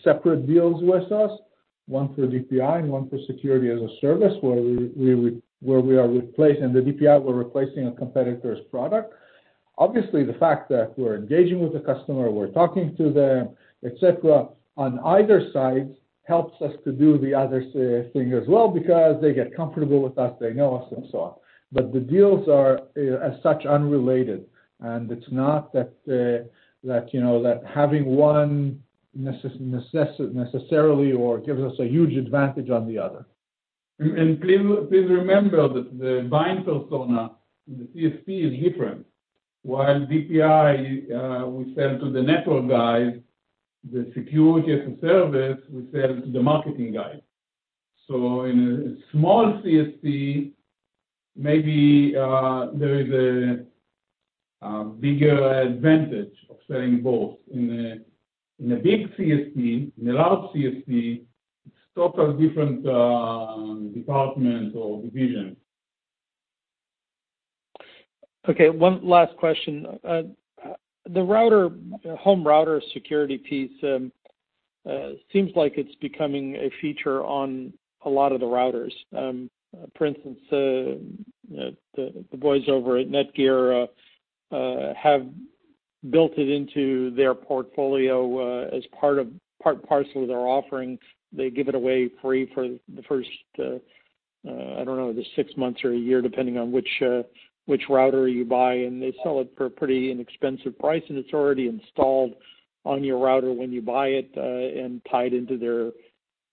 separate deals with us, one for DPI and one for security as a service where we are replacing the DPI, we're replacing a competitor's product. Obviously, the fact that we're engaging with the customer, we're talking to them, et cetera, on either side, helps us to do the other thing as well because they get comfortable with us, they know us and so on. The deals are as such unrelated, and it's not that you know that having one necessarily gives us a huge advantage on the other. Please remember that the buying persona in the CSP is different. While DPI we sell to the network guys, the security as a service we sell to the marketing guys. In a small CSP, maybe there is a bigger advantage of selling both. In a big CSP, in a large CSP, it's totally different department or division. Okay, one last question. The router, home router security piece, seems like it's becoming a feature on a lot of the routers. For instance, the boys over at NETGEAR have built it into their portfolio, as part and parcel of their offering. They give it away free for the first, I don't know, the six months or a year depending on which router you buy, and they sell it for a pretty inexpensive price, and it's already installed on your router when you buy it, and tied into their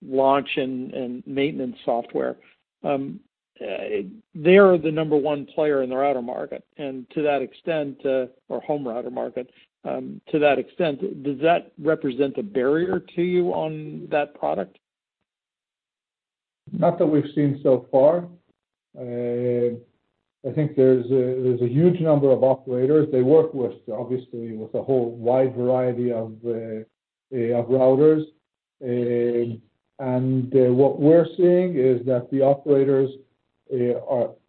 launch and maintenance software. They are the number one player in the router market. To that extent, or home router market, to that extent, does that represent a barrier to you on that product? Not that we've seen so far. I think there's a huge number of operators. They work with, obviously, with a whole wide variety of routers. What we're seeing is that the operators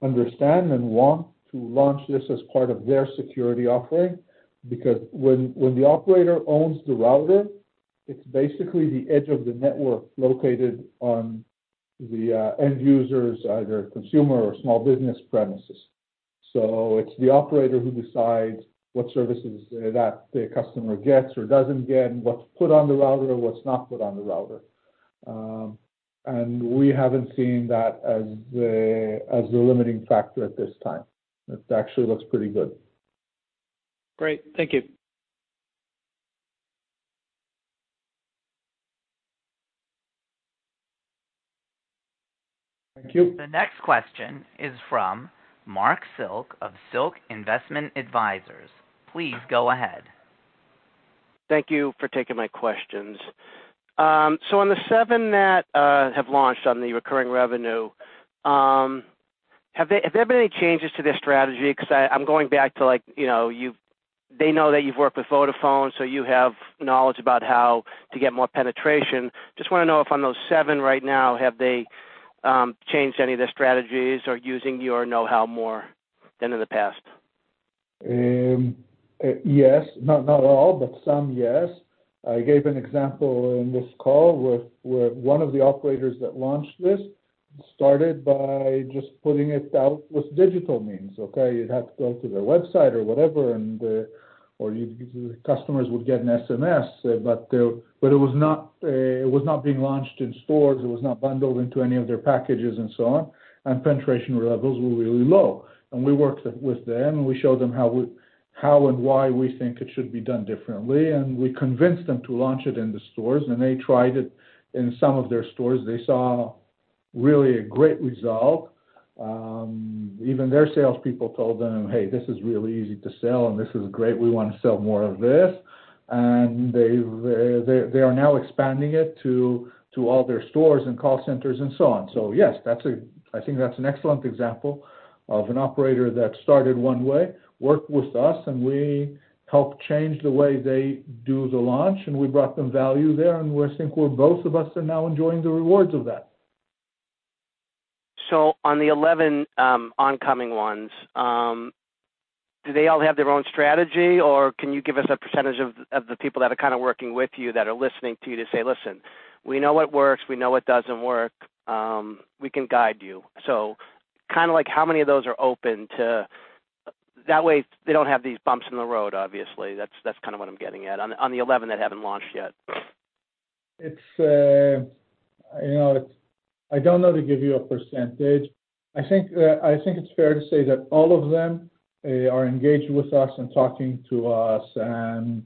understand and want to launch this as part of their security offering. Because when the operator owns the router, it's basically the edge of the network located on the end users, either consumer or small business premises. It's the operator who decides what services that the customer gets or doesn't get, what's put on the router, what's not put on the router. We haven't seen that as a limiting factor at this time. It actually looks pretty good. Great. Thank you. Thank you. The next question is from Marc Silk of Silk Investment Advisors. Please go ahead. Thank you for taking my questions. So on the seven that have launched on the recurring revenue, have there been any changes to their strategy? 'Cause I'm going back to like, you know, they know that you've worked with Vodafone, so you have knowledge about how to get more penetration. Just wanna know if on those seven right now, have they changed any of their strategies or using your know-how more than in the past? Yes. Not all, but some, yes. I gave an example in this call with one of the operators that launched this, started by just putting it out with digital means, okay. You'd have to go to their website or whatever, and customers would get an SMS, but it was not being launched in stores. It was not bundled into any of their packages and so on, and penetration levels were really low. We worked with them, and we showed them how and why we think it should be done differently. We convinced them to launch it in the stores, and they tried it in some of their stores. They saw really a great result. Even their sales people told them, "Hey, this is really easy to sell, and this is great. We want to sell more of this." They've they are now expanding it to all their stores and call centers and so on. Yes, that's I think that's an excellent example of an operator that started one way, worked with us, and we helped change the way they do the launch, and we brought them value there. We think we're both of us are now enjoying the rewards of that. On the 11 oncoming ones, do they all have their own strategy, or can you give us a percentage of the people that are working with you that are listening to you to say, "Listen, we know what works, we know what doesn't work. We can guide you." Like how many of those are open to that way they don't have these bumps in the road, obviously. That's kind of what I'm getting at. On the 11 that haven't launched yet. You know, I don't know to give you a percentage. I think it's fair to say that all of them are engaged with us and talking to us and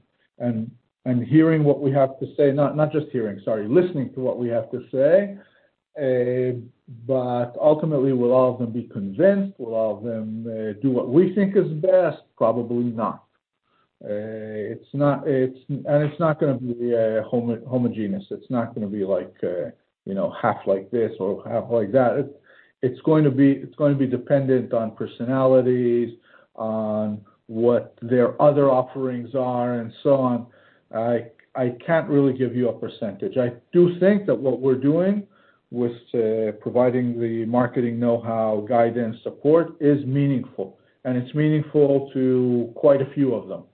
hearing what we have to say. Not just hearing, sorry. Listening to what we have to say. But ultimately, will all of them be convinced? Will all of them do what we think is best? Probably not. It's not gonna be a homogeneous. It's not gonna be like, you know, half like this or half like that. It's going to be dependent on personalities, on what their other offerings are, and so on. I can't really give you a percentage. I do think that what we're doing with providing the marketing know-how, guidance, support is meaningful, and it's meaningful to quite a few of them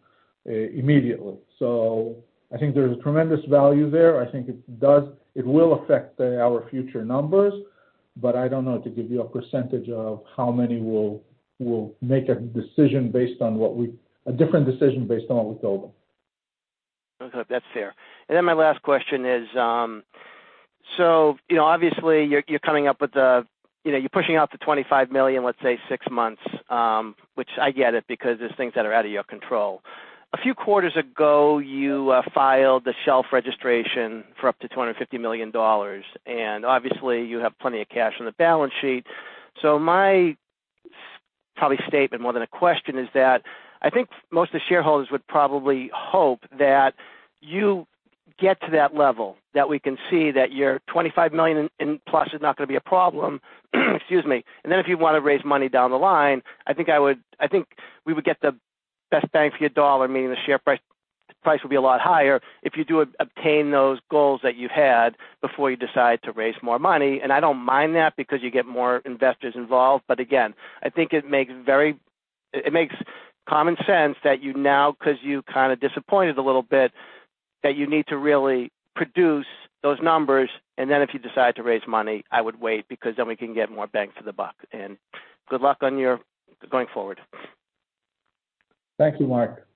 immediately. I think there's tremendous value there. I think it will affect our future numbers, but I don't know how to give you a percentage of how many will make a different decision based on what we told them. Okay. That's fair. My last question is, so, you know, obviously you're coming up with the, you know, you're pushing out the 25 million, let's say six months, which I get it, because there's things that are out of your control. A few quarters ago, you filed the shelf registration for up to $250 million, and obviously you have plenty of cash on the balance sheet. It's probably a statement more than a question, that I think most of the shareholders would probably hope that you get to that level, that we can see that your 25 million in, plus is not gonna be a problem. Excuse me. If you wanna raise money down the line, I think we would get the best bang for your dollar, meaning the share price would be a lot higher if you do obtain those goals that you had before you decide to raise more money. I don't mind that because you get more investors involved. Again, I think it makes common sense that you now, 'cause you kind of disappointed a little bit, that you need to really produce those numbers. If you decide to raise money, I would wait because then we can get more bang for the buck. Good luck going forward. Thank you, Marc.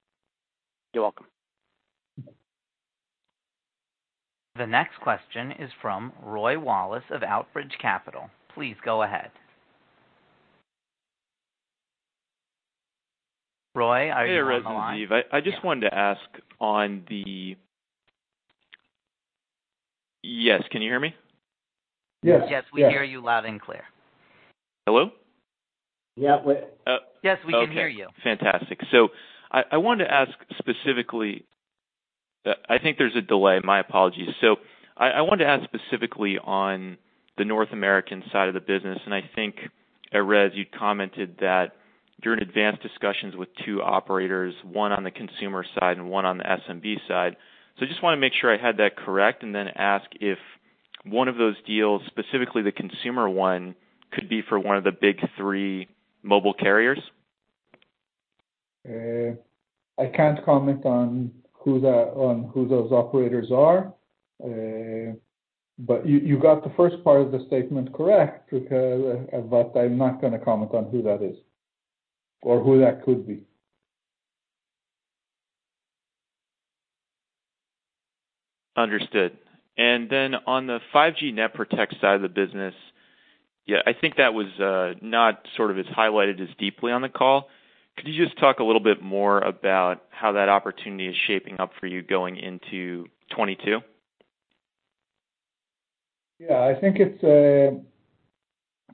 You're welcome. The next question is from Rory Wallace of Outerbridge Capital. Please go ahead. Rory, are you on the line? Hey, Erez, Ziv. I just wanted to ask. Yes. Can you hear me? Yes. Yes. Yes. We hear you loud and clear. Hello? Yeah, we're- Yes, we can hear you. Okay. Fantastic. I wanted to ask specifically on the North American side of the business, and I think, Erez, you commented that you're in advanced discussions with two operators, one on the consumer side and one on the SMB side. I just wanna make sure I had that correct, and then ask if one of those deals, specifically the consumer one, could be for one of the big three mobile carriers. I can't comment on who those operators are. But you got the first part of the statement correct because, but I'm not gonna comment on who that is or who that could be. Understood. On the 5G NetProtect side of the business, yeah, I think that was not sort of as highlighted as deeply on the call. Could you just talk a little bit more about how that opportunity is shaping up for you going into 2022? Yeah, I think it's.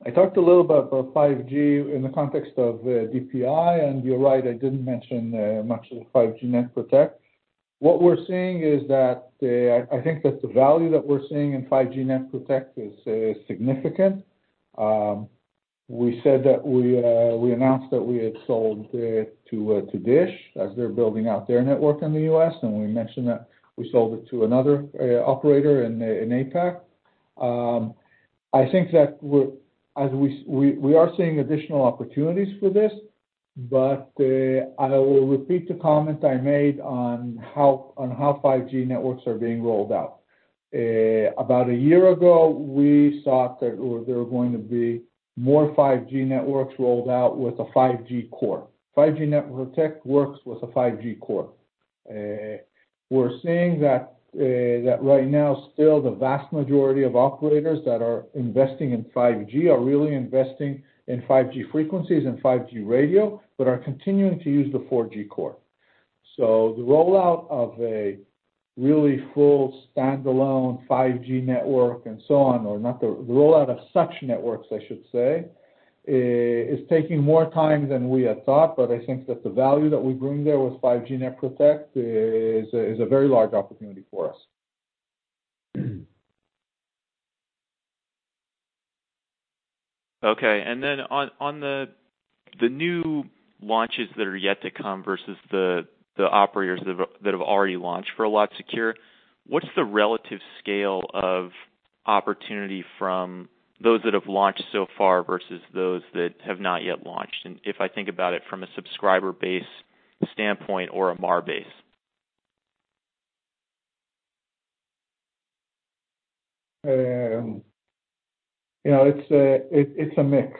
I talked a little about 5G in the context of DPI, and you're right, I didn't mention much of the 5G NetProtect. What we're seeing is that I think that the value that we're seeing in 5G NetProtect is significant. We said that we announced that we had sold it to DISH as they're building out their network in the U.S., and we mentioned that we sold it to another operator in APAC. I think that we're seeing additional opportunities for this, but I will repeat the comments I made on how 5G networks are being rolled out. About a year ago, we saw that there were going to be more 5G networks rolled out with a 5G core. 5G NetProtect works with a 5G core. We're seeing that right now still the vast majority of operators that are investing in 5G are really investing in 5G frequencies and 5G radio, but are continuing to use the 4G core. The rollout of such networks, I should say, is taking more time than we had thought, but I think that the value that we bring there with 5G NetProtect is a very large opportunity for us. Okay. On the new launches that are yet to come versus the operators that have already launched for Allot Secure, what's the relative scale of opportunity from those that have launched so far versus those that have not yet launched, and if I think about it from a subscriber base standpoint or a MAR base? You know, it's a mix.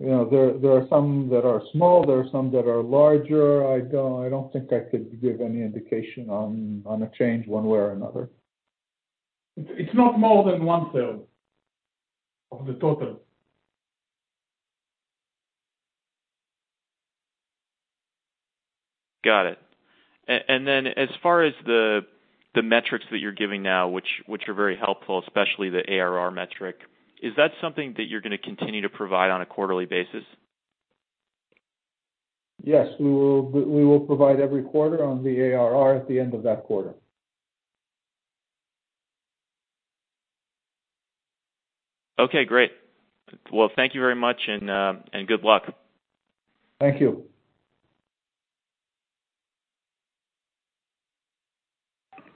You know, there are some that are small, there are some that are larger. I don't think I could give any indication on a change one way or another. It's not more than 1/3 of the total. Got it. As far as the metrics that you're giving now, which are very helpful, especially the ARR metric. Is that something that you're gonna continue to provide on a quarterly basis? Yes. We will provide every quarter on the ARR at the end of that quarter. Okay, great. Well, thank you very much and good luck. Thank you.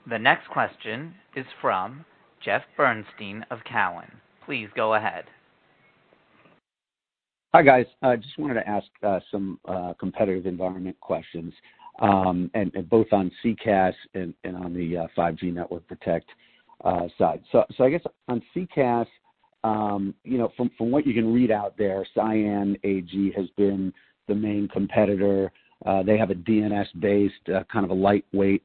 The next question is from Jeff Bernstein of Cowen. Please go ahead. Hi, guys. I just wanted to ask some competitive environment questions and both on SECaaS and on the 5G NetProtect side. I guess on SECaaS, you know, from what you can read out there, Cyan AG has been the main competitor. They have a DNS-based kind of a lightweight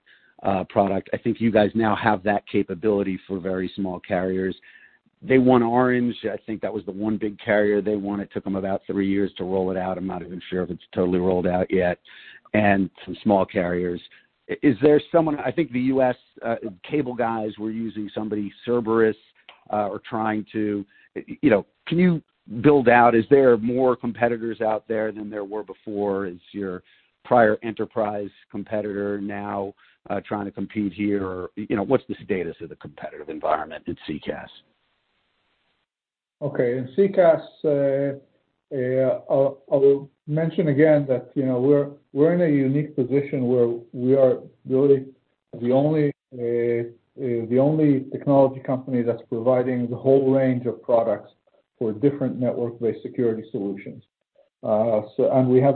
product. I think you guys now have that capability for very small carriers. They won Orange. I think that was the one big carrier they wanted. Took them about three years to roll it out. I'm not even sure if it's totally rolled out yet. Some small carriers. Is there someone? I think the U.S. cable guys were using somebody, Cerberus, or trying to. You know, can you build out? Is there more competitors out there than there were before? Is your prior enterprise competitor now trying to compete here? You know, what's the status of the competitive environment at SECaaS? Okay. In SECaas, I'll mention again that, you know, we're in a unique position where we are really the only technology company that's providing the whole range of products for different network-based security solutions. As a result, we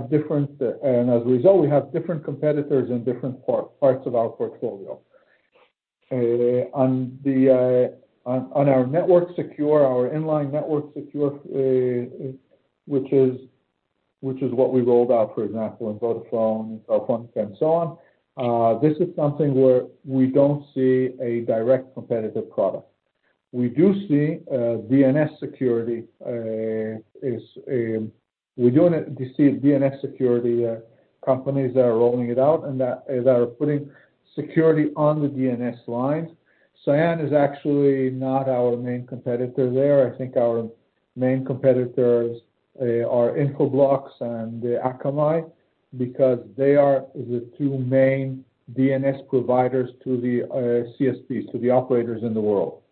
have different competitors in different parts of our portfolio. On our NetworkSecure, our inline NetworkSecure, which is what we rolled out, for example, in Vodafone and Telefónica and so on, this is something where we don't see a direct competitive product. We do see DNS security companies that are rolling it out and that are putting security on the DNS lines. Cyan is actually not our main competitor there. I think our main competitors are Infoblox and Akamai because they are the two main DNS providers to the CSPs, to the operators in the world.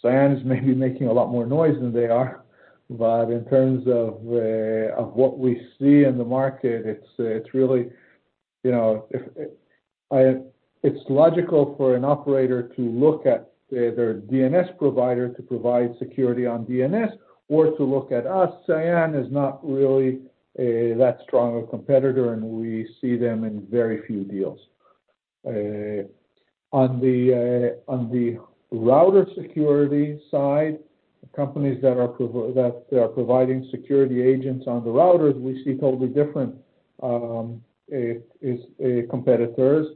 Cyan is maybe making a lot more noise than they are, but in terms of what we see in the market, it's really, you know. It's logical for an operator to look at their DNS provider to provide security on DNS or to look at us. Cyan is not really that strong of a competitor, and we see them in very few deals. On the router security side, companies that are providing security agents on the routers, we see totally different competitors.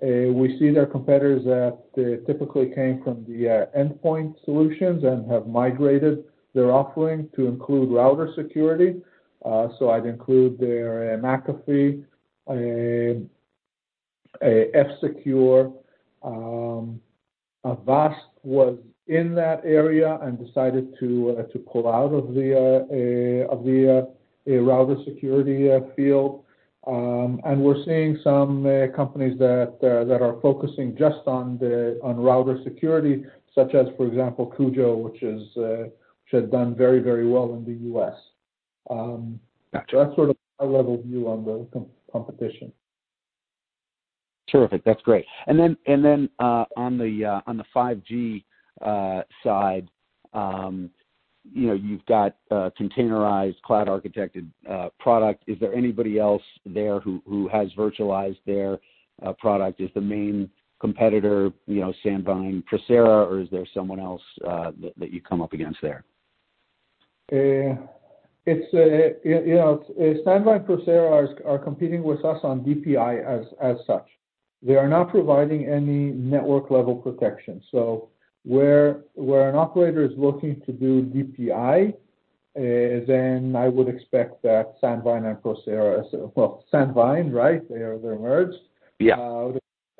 We see their competitors that they typically came from the endpoint solutions and have migrated their offering to include router security. I'd include there McAfee, F-Secure. Avast was in that area and decided to pull out of the router security field. We're seeing some companies that are focusing just on router security, such as, for example, CUJO, which has done very well in the U.S. That's sort of a high-level view on the competition. Terrific. That's great. On the 5G side, you know, you've got a containerized cloud architected product. Is there anybody else there who has virtualized their product? Is the main competitor, you know, Sandvine, Procera, or is there someone else that you come up against there? It's, you know, Sandvine, Procera are competing with us on DPI as such. They are not providing any network level protection. Where an operator is looking to do DPI, then I would expect that Sandvine and Procera. Well, Sandvine, right? They're merged. Yeah.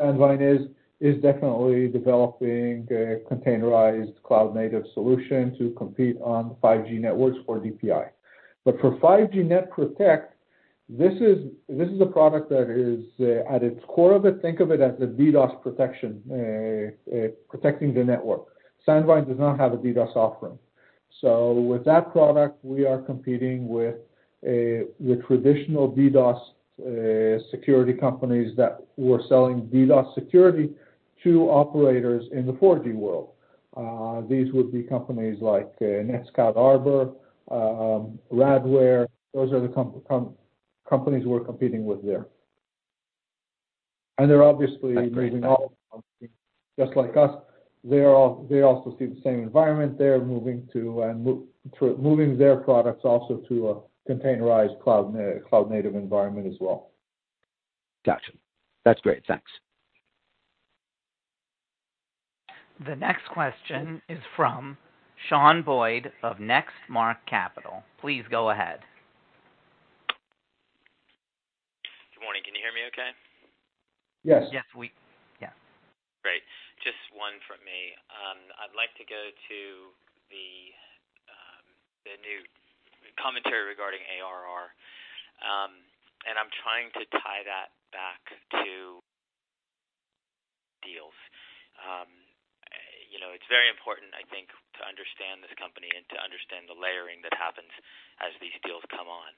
Sandvine is definitely developing a containerized cloud native solution to compete on 5G networks for DPI. For 5G NetProtect, this is a product that is, at its core of it, think of it as a DDoS protection protecting the network. Sandvine does not have a DDoS offering. With that product, we are competing with the traditional DDoS security companies that were selling DDoS security to operators in the 4G world. These would be companies like NETSCOUT Arbor, Radware. Those are the companies we're competing with there. They're obviously moving all of them, just like us. They also see the same environment they're moving to and moving their products also to a containerized cloud native environment as well. Got you. That's great. Thanks. The next question is from Shawn Boyd of Next Mark Capital. Please go ahead. Good morning. Can you hear me okay? Yes. Yeah. Great. Just one from me. I'd like to go to the new commentary regarding ARR. I'm trying to tie that back to deals. You know, it's very important, I think, to understand this company and to understand the layering that happens as these deals come on.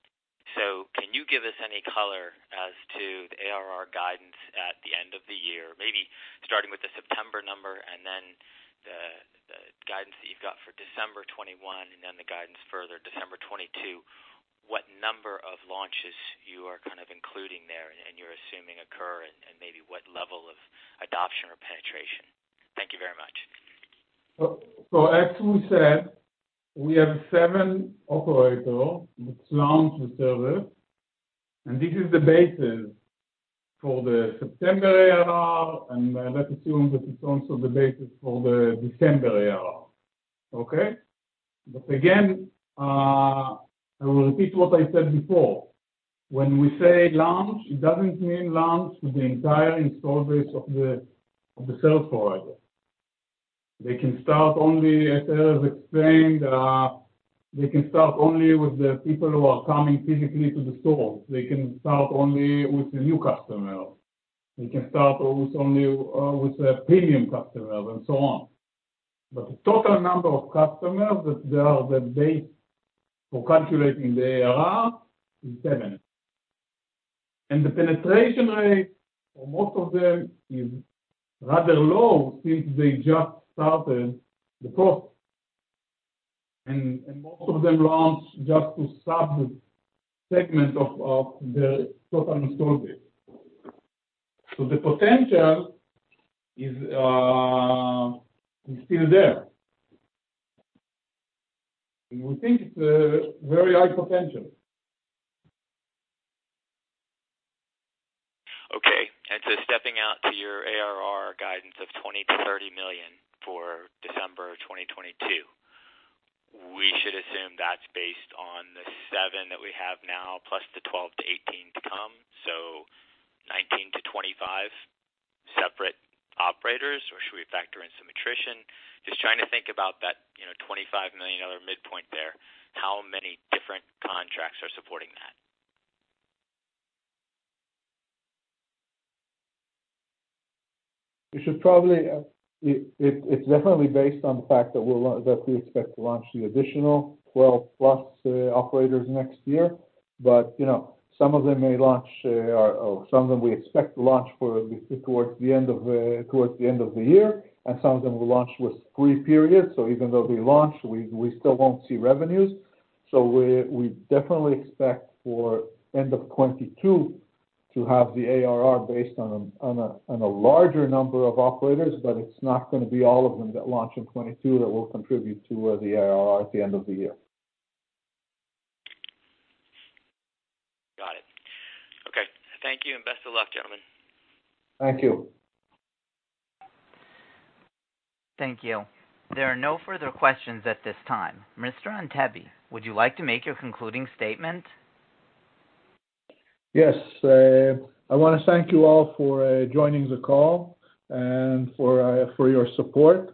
Can you give us any color as to the ARR guidance at the end of the year? Maybe starting with the September number and then the guidance that you've got for December 2021, and then the guidance further December 2022, what number of launches you are kind of including there and you're assuming occur, and maybe what level of adoption or penetration? Thank you very much. As we said, we have seven operators that launch the service, and this is the basis for the September ARR, and let's assume that it's also the basis for the December ARR. Okay? I will repeat what I said before. When we say launch, it doesn't mean launch with the entire install base of the service provider. They can start only, as Erez explained, with the people who are coming physically to the store. They can start only with the new customer. They can start with only the premium customers and so on. The total number of customers that they are the base for calculating the ARR is seven. The penetration rate for most of them is rather low since they just started the service. Most of them launch just to sub-segments of the total install base. The potential is still there. We think it's a very high potential. Okay. Stepping out to your ARR guidance of $20 million-$30 million for December 2022, we should assume that's based on the seven that we have now, plus the 12-18 to come. 19-25 separate operators, or should we factor in some attrition? Just trying to think about that, you know, $25 million at the midpoint there, how many different contracts are supporting that? It's definitely based on the fact that we expect to launch the additional 12+ operators next year. You know, some of them may launch, or some of them we expect to launch towards the end of the year, and some of them will launch with free periods. Even though they launch, we still won't see revenues. We definitely expect for end of 2022 to have the ARR based on a larger number of operators, but it's not gonna be all of them that launch in 2022 that will contribute to the ARR at the end of the year. Got it. Okay. Thank you, and best of luck, gentlemen. Thank you. Thank you. There are no further questions at this time. Mr. Antebi, would you like to make your concluding statement? Yes. I wanna thank you all for joining the call and for your support.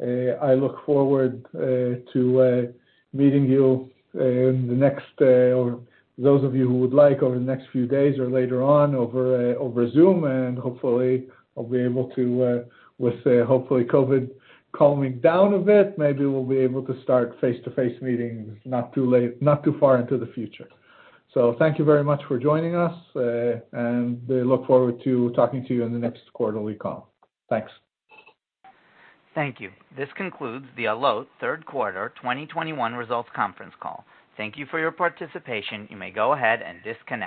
I look forward to meeting you, or those of you who would like, over the next few days or later on over Zoom. Hopefully, I'll be able to, with COVID calming down a bit, maybe we'll be able to start face-to-face meetings not too far into the future. Thank you very much for joining us, and we look forward to talking to you in the next quarterly call. Thanks. Thank you. This concludes the Allot third quarter 2021 results conference call. Thank you for your participation. You may go ahead and disconnect.